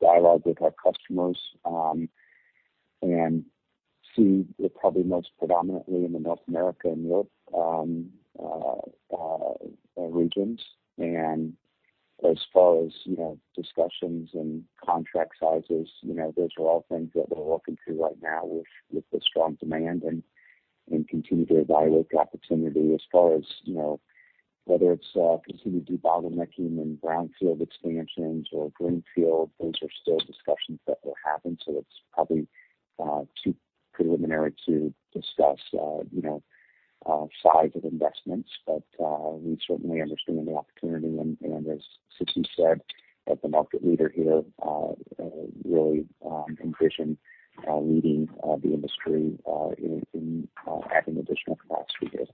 dialogue with our customers and see it probably most predominantly in North America and Europe regions. As far as, you know, discussions and contract sizes, you know, those are all things that we're working through right now with the strong demand and continue to evaluate the opportunity. As far as, you know, whether it's continued debottlenecking and brownfield expansions or greenfield, those are still discussions that will happen, so it's probably too preliminary to discuss, you know, size of investments. We certainly understand the opportunity and as Satish Pai said, as the market leader here, really envision leading the industry in adding additional capacity here.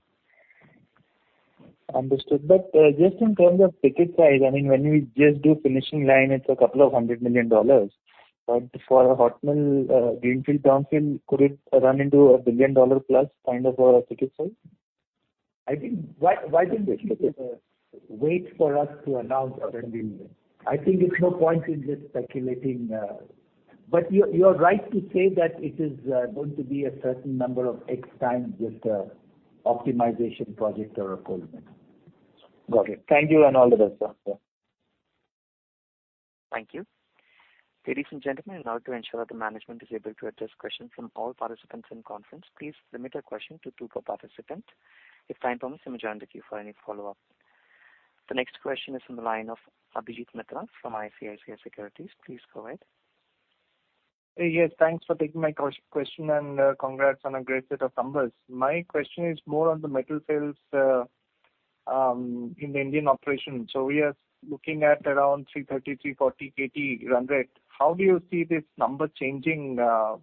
Understood. Just in terms of ticket size, I mean, when we just do finishing line, it's $200 million. For a hot mill, greenfield, brownfield, could it run into $1 billion plus kind of a ticket size? I think why don't you wait for us to announce our spending? I think there's no point in just speculating. You're right to say that it is going to be a certain number of x times just optimization project or a cold mill. Got it. Thank you and all the best, sir. Thank you. Ladies and gentlemen, in order to ensure that the management is able to address questions from all participants in conference, please limit your question to two per participant. If time permits, you may join the queue for any follow-up. The next question is from the line of Abhijit Mitra from ICICI Securities. Please go ahead. Yes, thanks for taking my question, and congrats on a great set of numbers. My question is more on the metal sales in the Indian operation. We are looking at around 330-340 KT run rate. How do you see this number changing, you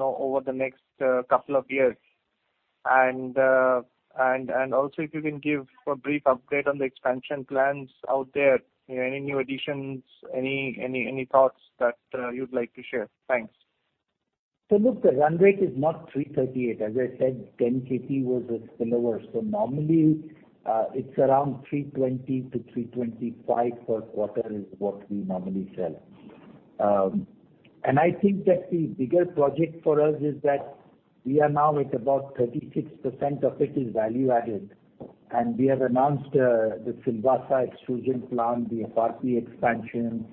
know, over the next couple of years? Also if you can give a brief update on the expansion plans out there. Any new additions? Any thoughts that you'd like to share? Thanks. Look, the run rate is not 338. As I said, 10 KT was a spillover. Normally, it's around 320-325 per quarter is what we normally sell. And I think that the bigger project for us is that we are now at about 36% of it is value added, and we have announced the Silvassa extrusion plant, the FRP expansion,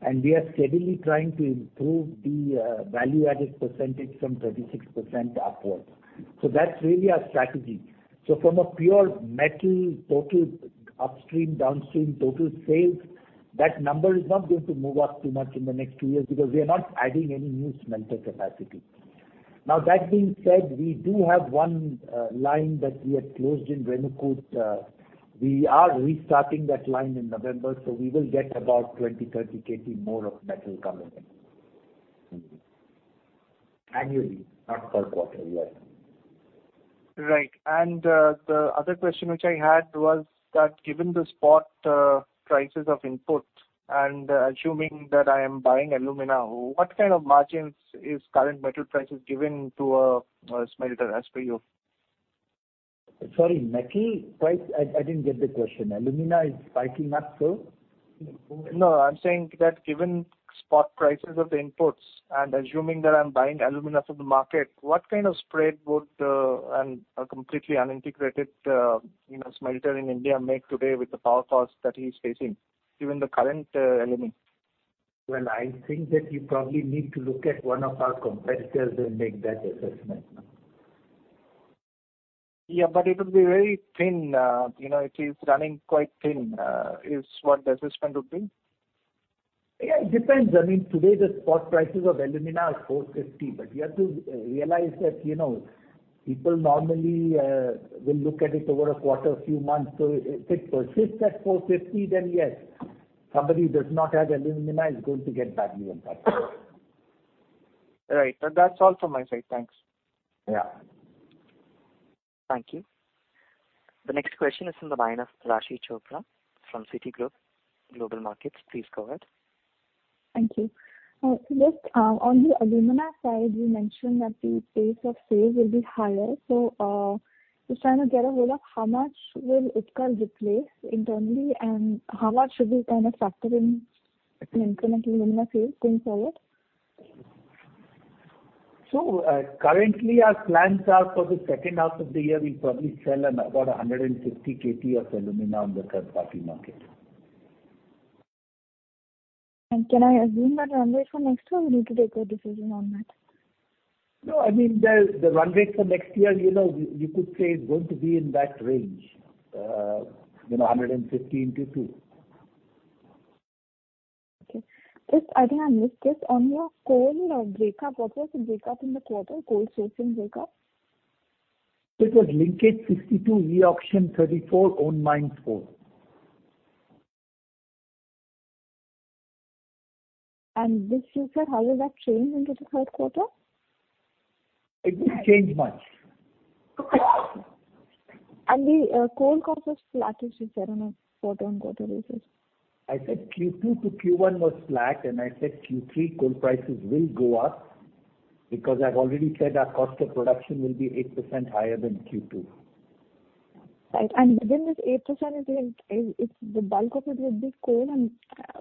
and we are steadily trying to improve the value added percentage from 36% upwards. That's really our strategy. From a pure metal total upstream, downstream total sales, that number is not going to move up too much in the next two years because we are not adding any new smelter capacity. Now that being said, we do have one line that we had closed in Renukoot. We are restarting that line in November, so we will get about 20-30 KT more of metal coming in. Annually, not per quarter. Yes. Right. The other question which I had was that given the spot prices of input and assuming that I am buying alumina, what kind of margins is current metal prices giving to a smelter as per you? Sorry, metal price? I didn't get the question. Alumina is spiking up, so? No, I'm saying that given spot prices of the inputs and assuming that I'm buying alumina from the market, what kind of spread would a completely unintegrated, you know, smelter in India make today with the power costs that he's facing, given the current alumina? Well, I think that you probably need to look at one of our competitors and make that assessment. Yeah, but it'll be very thin. You know, it is running quite thin, is what the assessment would be. Yeah, it depends. I mean, today, the spot prices of alumina are $450, but you have to realize that, you know, people normally will look at it over a quarter, a few months. If it persists at $450, then yes, somebody who does not have alumina is going to get badly impacted. Right. That's all from my side. Thanks. Yeah. Thank you. The next question is from the line of Raashi Chopra from Citigroup Global Markets. Please go ahead. Thank you. Just on the alumina side, you mentioned that the pace of sales will be higher. Just trying to get a hold of how much will Utkal replace internally and how much should we kind of factor in incremental alumina sales going forward? Currently our plans are for the second half of the year, we'll probably sell about 150 KT of alumina on the third-party market. Can I assume that run rate for next year or do you need to take a decision on that? No, I mean, the run rate for next year, you know, you could say is going to be in that range. You know, 150 into two. Okay. Just again, I missed this. On your coal breakdown, what was the breakdown in the quarter? Coal sourcing breakdown. It was linkage 62, e-auction 34, own mine four. This future, how will that change into the third quarter? It won't change much. The coal cost was flattish, you said on a quarter-over-quarter basis. I said Q2 to Q1 was flat, and I said Q3 coal prices will go up because I've already said our cost of production will be 8% higher than Q2. Right. Within this 8% it's the bulk of it would be coal and I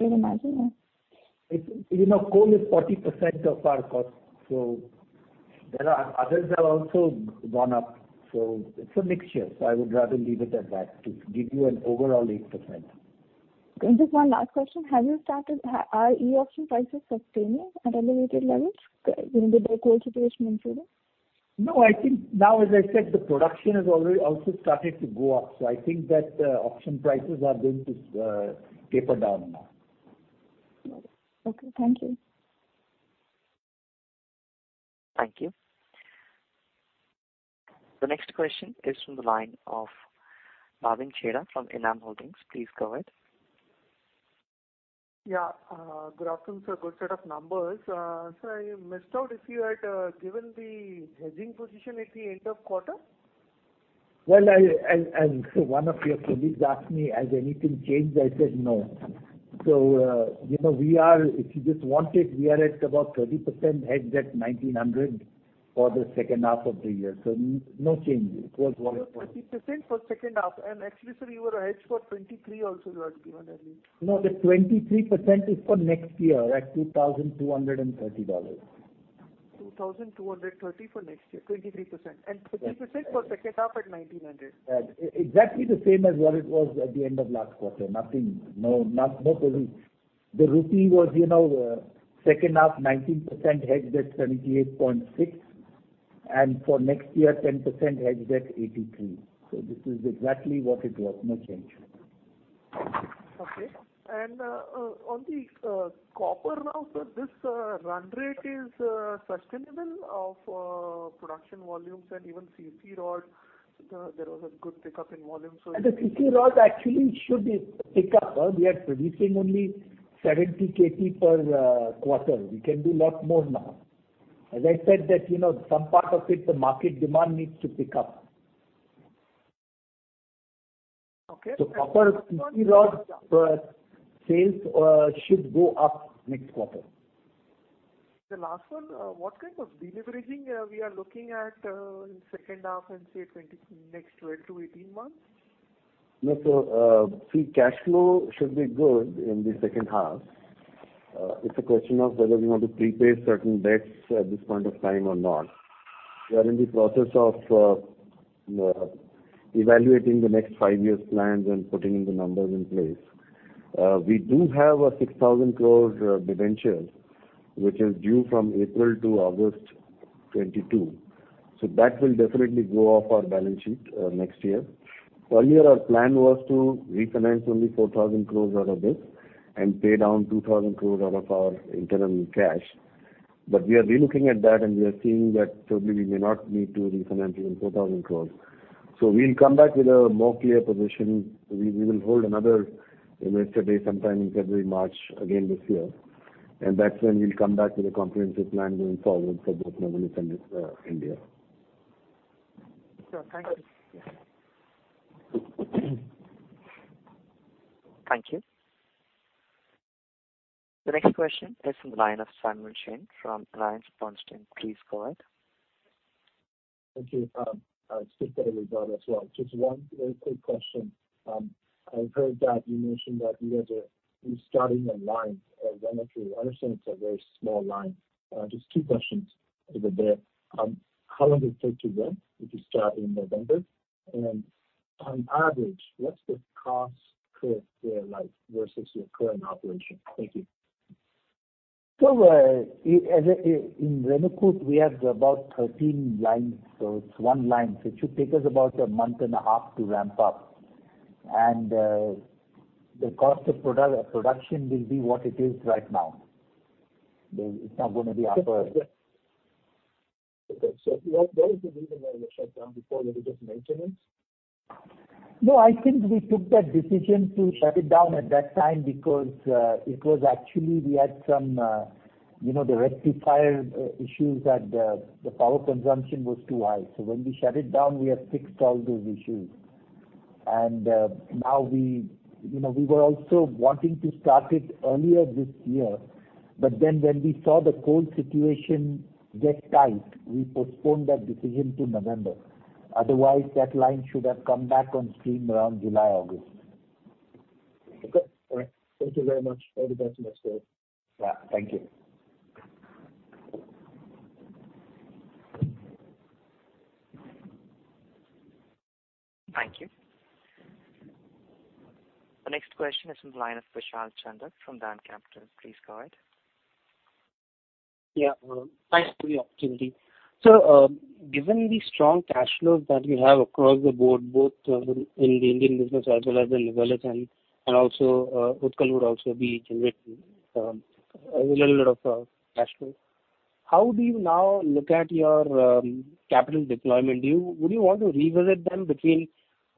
would imagine, yeah. It's, you know, coal is 40% of our cost. There are others that have also gone up. It's a mixture. I would rather leave it at that to give you an overall 8%. Just one last question. Are e-auction prices sustaining at elevated levels? You know, with the coal situation improving? No, I think now, as I said, the production has already also started to go up. I think that auction prices are going to taper down now. Okay. Thank you. Thank you. The next question is from the line of Bhavin Chheda from ENAM Holdings. Please go ahead. Yeah. Good afternoon, sir. Good set of numbers. I missed out if you had given the hedging position at the end of quarter. One of your colleagues asked me, "Has anything changed?" I said, "No." You know, we are, if you just want it, at about 30% hedged at 1900 for the second half of the year. No change. It was what it was. 30% for second half. Actually, sir, you were hedged for 23% also you had given earlier. No, the 23% is for next year at $2,230. 2,230 for next year, 23%. Yes. 30% for second half at $1,900. Exactly the same as what it was at the end of last quarter. Nothing. No change. The rupee was, you know, second half 19% hedged at 78.6. For next year, 10% hedged at 83. This is exactly what it was. No change. Okay. On the copper now, sir, this run rate is sustainable for production volumes and even CC rod. There was a good pickup in volume, so The CC rod actually should pick up. We are producing only 70 KT per quarter. We can do lot more now. As I said that, you know, some part of it, the market demand needs to pick up. Okay. Copper CC rod sales should go up next quarter. The last one, what kind of deleveraging we are looking at in second half and next 12-18 months? Yes, free cash flow should be good in the second half. It's a question of whether we want to prepay certain debts at this point of time or not. We are in the process of evaluating the next five years plans and putting the numbers in place. We do have an 6,000 crore debenture, which is due from April to August 2022. That will definitely go off our balance sheet next year. Earlier, our plan was to refinance only 4,000 crore out of this and pay down 2,000 crore out of our interim cash. We are re-looking at that, and we are seeing that probably we may not need to refinance even 4,000 crore. We'll come back with a more clear position. We will hold another investor day sometime in February, March again this year, and that's when we'll come back with a comprehensive plan going forward for both Novelis and India. Sure. Thank you. Yes. Thank you. The next question is from the line of Simon [Shen] from AllianceBernstein. Please go ahead. Thank you. Just one very quick question. I've heard that you mentioned that you guys are restarting a line at Renukoot. I understand it's a very small line. Just two questions over there. How long does it take to ramp if you start in November? On average, what's the cost [inaudible] versus your current operation? Thank you. In Renukoot, we have about 13 lines. It's one line. It should take us about a month and a half to ramp up. The cost of production will be what it is right now. It's not gonna be higher. Okay. What was the reason why you shut down before? Was it just maintenance? No, I think we took that decision to shut it down at that time because it was actually we had some you know the rectifier issues that the power consumption was too high. When we shut it down, we have fixed all those issues. Now we you know we were also wanting to start it earlier this year. When we saw the coal situation get tight, we postponed that decision to November. Otherwise, that line should have come back on stream around July, August. Okay. All right. Thank you very much. All the best next year. Yeah. Thank you. Thank you. The next question is from the line of Prashant [Jain] from DAM Capital. Please go ahead. Yeah. Thanks for the opportunity. Given the strong cash flows that you have across the board, both in the Indian business as well as in Novelis and also Utkal would also be generating a little bit of cash flow. How do you now look at your capital deployment? Would you want to revisit them between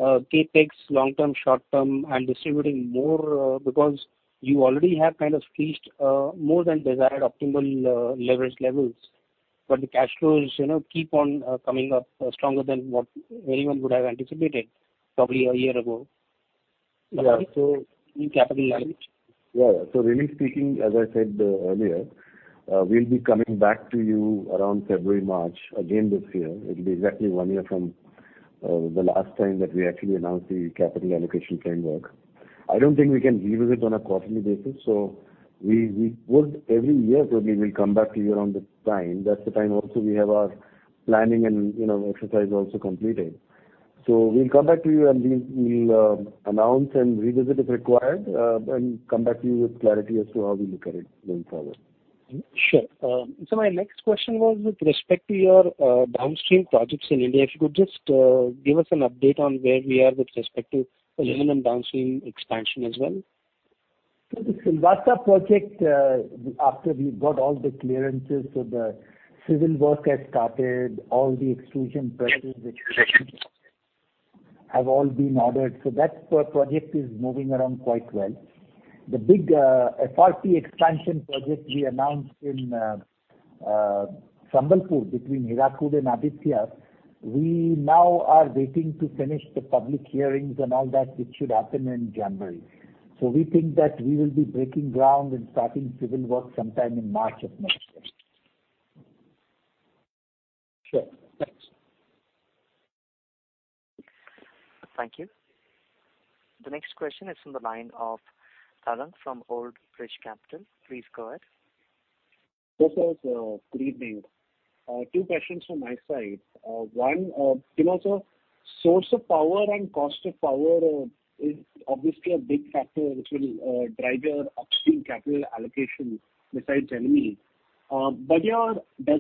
CapEx long term, short term, and distributing more because you already have kind of reached more than desired optimal leverage levels. The cash flows, you know, keep on coming up stronger than what anyone would have anticipated probably a year ago. Yeah. In capital management. Yeah. Really speaking, as I said, earlier, we'll be coming back to you around February, March again this year. It'll be exactly one year from the last time that we actually announced the capital allocation framework. I don't think we can revisit on a quarterly basis. We would every year probably come back to you around this time. That's the time also we have our planning and, you know, exercise also completed. We'll come back to you, and we'll announce and revisit if required, and come back to you with clarity as to how we look at it going forward. Sure. My next question was with respect to your downstream projects in India. If you could just give us an update on where we are with respect to aluminum downstream expansion as well. The Silvassa project, after we got all the clearances, the civil work has started. All the extrusion presses which have all been ordered. That project is moving around quite well. The big, FRP expansion project we announced in Sambalpur between Hirakud and Aditya, we now are waiting to finish the public hearings and all that, which should happen in January. We think that we will be breaking ground and starting civil work sometime in March of next year. Sure. Thanks. Thank you. The next question is from the line of Tarang from Old Bridge Capital. Please go ahead. Yes, yes. Good evening. Two questions from my side. One, you know, so source of power and cost of power is obviously a big factor which will drive your upstream capital allocation besides LME. Does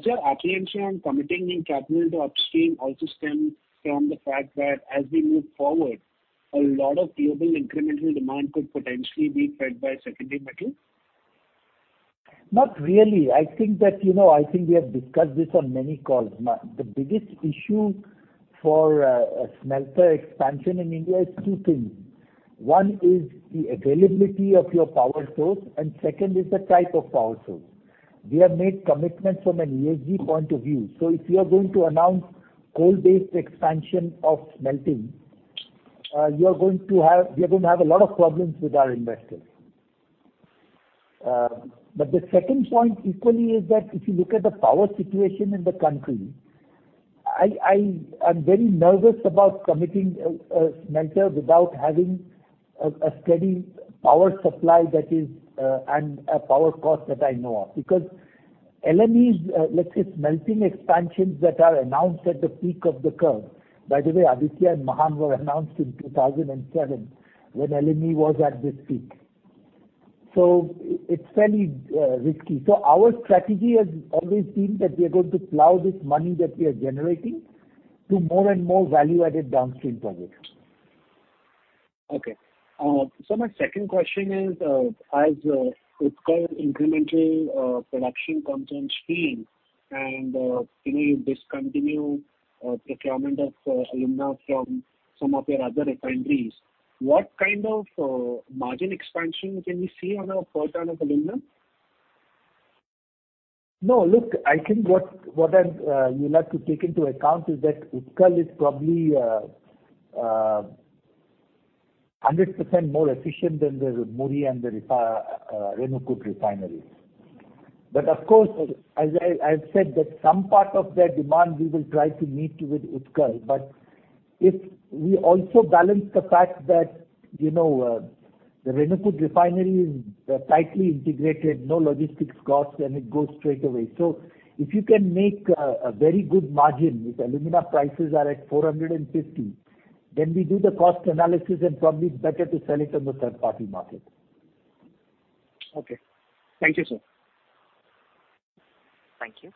your apprehension on committing new capital to upstream also stem from the fact that as we move forward, a lot of global incremental demand could potentially be fed by secondary metal? Not really. I think that, you know, I think we have discussed this on many calls. Now the biggest issue for a smelter expansion in India is two things. One is the availability of your power source, and second is the type of power source. We have made commitments from an ESG point of view. So if we are going to announce coal-based expansion of smelting, we are going to have a lot of problems with our investors. The second point equally is that if you look at the power situation in the country, I'm very nervous about committing a smelter without having a steady power supply that is, and a power cost that I know of. Because LMEs, let's say smelting expansions that are announced at the peak of the curve. By the way, Aditya and Mahan were announced in 2007 when LME was at this peak. It's fairly risky. Our strategy has always been that we are going to plow this money that we are generating to more and more value-added downstream projects. Okay. My second question is, as Utkal incremental production comes on stream and you know, you discontinue procurement of alumina from some of your other refineries, what kind of margin expansion can we see on our per ton of alumina? No, look, I think what I'm you'll have to take into account is that Utkal is probably 100% more efficient than the Muri and the Renukoot refineries. Of course, as I've said that some part of their demand we will try to meet with Utkal. If we also balance the fact that, you know, the Renukoot refinery is tightly integrated, no logistics costs, and it goes straight away. If you can make a very good margin, if alumina prices are at $450, then we do the cost analysis, and probably it's better to sell it on the third-party market. Okay. Thank you, sir. Thank you.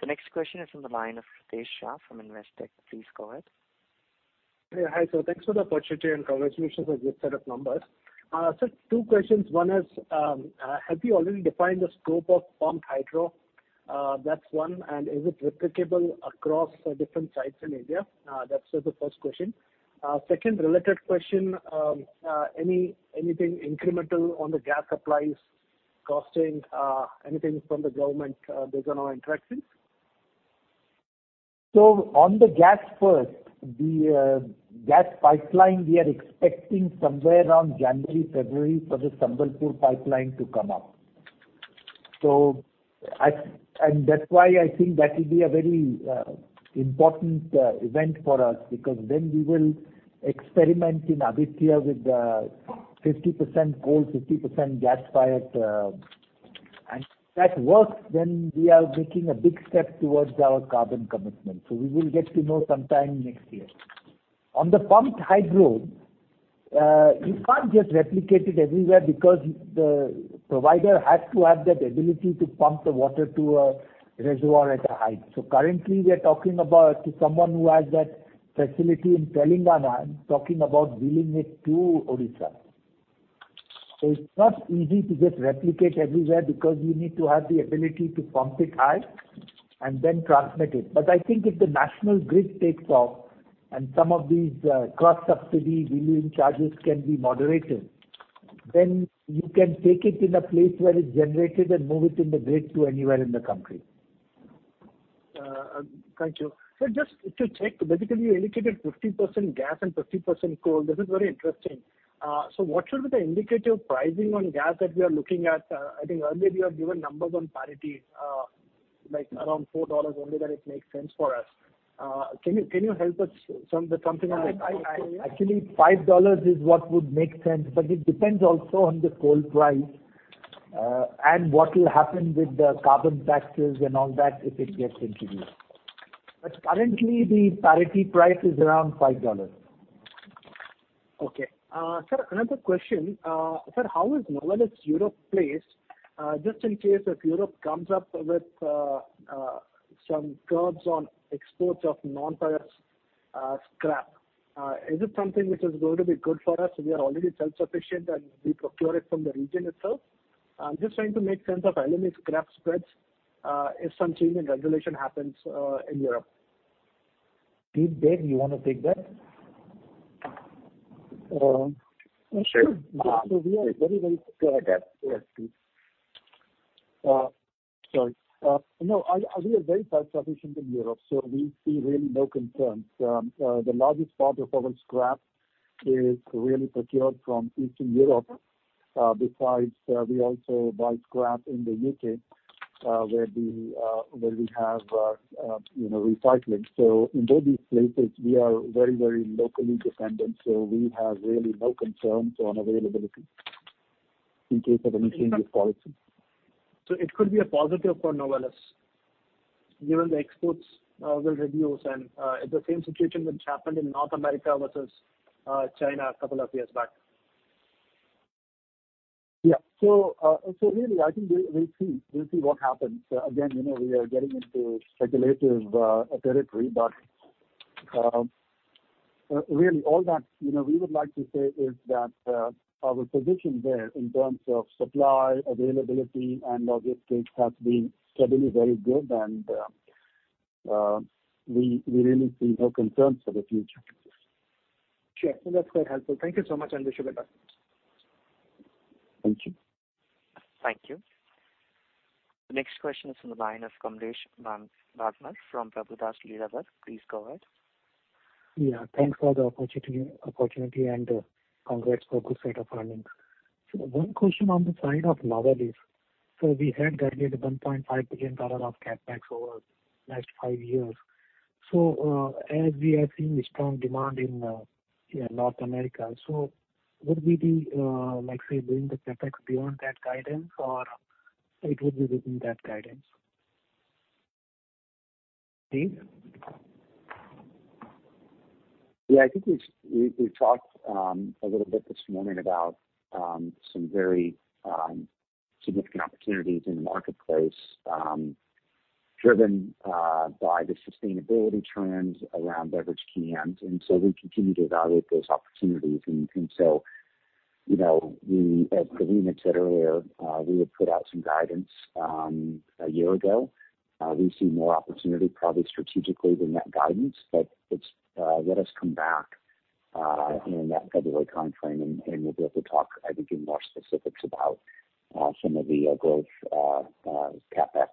The next question is from the line of Ritesh Shah from Investec. Please go ahead. Yeah. Hi, sir. Thanks for the opportunity, and congratulations on this set of numbers. Sir, two questions. One is, have you already defined the scope of pumped hydro? That's one. Is it replicable across different sites in India? That's the first question. Second related question. Anything incremental on the gas supplies costing, anything from the government? There's no interactions? On the gas first, the gas pipeline we are expecting somewhere around January, February for the Sambalpur pipeline to come up. That's why I think that will be a very important event for us, because then we will experiment in Aditya with 50% coal, 50% gas-fired, and if that works, then we are making a big step towards our carbon commitment. We will get to know sometime next year. On the pumped hydro, you can't just replicate it everywhere because the provider has to have that ability to pump the water to a reservoir at a height. Currently we are talking about to someone who has that facility in Telangana and talking about wheeling it to Odisha. It's not easy to just replicate everywhere because you need to have the ability to pump it high and then transmit it. I think if the national grid takes off and some of these cross-subsidy wheeling charges can be moderated, then you can take it in a place where it's generated and move it in the grid to anywhere in the country. Thank you. Just to check, basically you indicated 50% gas and 50% coal. This is very interesting. What should be the indicative pricing on gas that we are looking at? I think earlier you have given numbers on parity, like around $4 only that it makes sense for us. Can you help us something on that? Actually $5 is what would make sense, but it depends also on the coal price, and what will happen with the carbon taxes and all that if it gets introduced. Currently the parity price is around $5. Okay. Sir, another question. Sir, how is Novelis Europe placed, just in case if Europe comes up with some curbs on exports of non-ferrous scrap? Is it something which is going to be good for us? We are already self-sufficient, and we procure it from the region itself. I'm just trying to make sense of aluminum scrap spreads, if some change in regulation happens, in Europe. Big Dev, you wanna take that? Sure. Go ahead, Dev. We are very self-sufficient in Europe, so we see really no concerns. The largest part of our scrap is really procured from Eastern Europe. Besides, we also buy scrap in the U.K., where we have, you know, recycling. In both these places we are very, very locally dependent, so we have really no concerns on availability in case of any change of policy. It could be a positive for Novelis given the exports will reduce and the same situation which happened in North America versus China a couple of years back. Yeah. Really, I think we'll see what happens. Again, you know, we are getting into speculative territory, but really all that, you know, we would like to say is that our position there in terms of supply, availability and logistics has been steadily very good and we really see no concerns for the future. Sure. That's quite helpful. Thank you so much. Wish you the best. Thank you. Thank you. The next question is from the line of Kamlesh Bagmar from Prabhudas Lilladher. Please go ahead. Yeah, thanks for the opportunity and congrats for good set of earnings. One question on the side of Novelis. We had guided $1.5 billion of CapEx over next five years. As we are seeing strong demand in North America, would we be like say doing the CapEx beyond that guidance or it would be within that guidance? Steve? Yeah, I think we've talked a little bit this morning about some very significant opportunities in the marketplace, driven by the sustainability trends around beverage cans. We continue to evaluate those opportunities. You know, we, as Praveeni mentioned earlier, we had put out some guidance a year ago. We see more opportunity probably strategically than that guidance, but it's let us come back, you know, in that February time frame, and we'll be able to talk, I think, in more specifics about some of the growth CapEx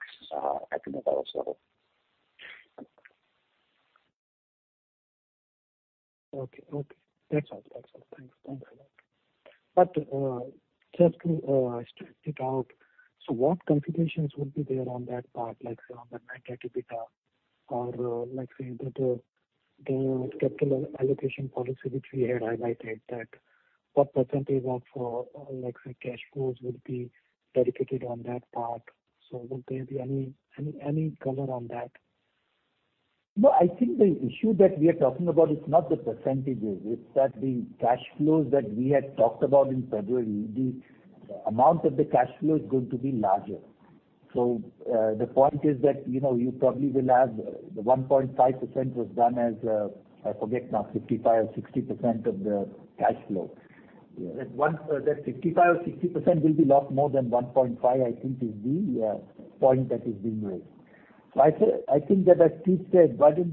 at the Novelis level. Just to stretch it out, what configurations will be there on that part, like, say, on the net debt EBITDA or, like say that, the capital allocation policy which we had highlighted that what percentage of, like say cash flows would be dedicated on that part? Would there be any color on that? No, I think the issue that we are talking about is not the percentages. It's that the cash flows that we had talked about in February, the amount of the cash flow is going to be larger. The point is that, you know, you probably will have the 1.5% was done as, I forget now, 55% or 60% of the cash flow. That 55% or 60% will be lot more than 1.5, I think is the point that is being made. I think that as Steve said, Bagmar,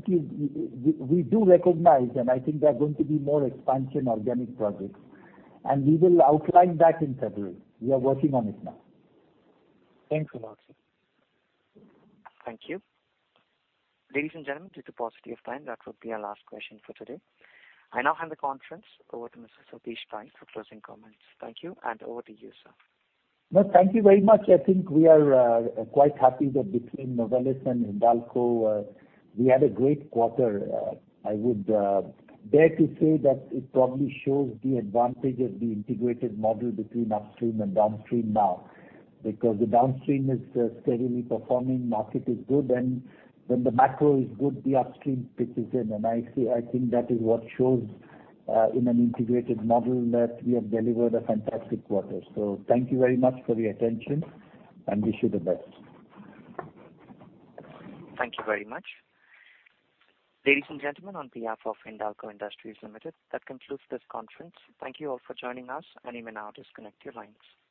we do recognize, and I think there are going to be more expansion organic projects, and we will outline that in February. We are working on it now. Thanks a lot, sir. Thank you. Ladies and gentlemen, due to paucity of time, that would be our last question for today. I now hand the conference over to Mr. Satish Pai for closing comments. Thank you, and over to you, sir. No, thank you very much. I think we are quite happy that between Novelis and Hindalco, we had a great quarter. I would dare to say that it probably shows the advantage of the integrated model between upstream and downstream now. Because the downstream is steadily performing, market is good. When the macro is good, the upstream pitches in. I see, I think that is what shows in an integrated model that we have delivered a fantastic quarter. Thank you very much for your attention, and wish you the best. Thank you very much. Ladies and gentlemen, on behalf of Hindalco Industries Limited, that concludes this conference. Thank you all for joining us, and you may now disconnect your lines.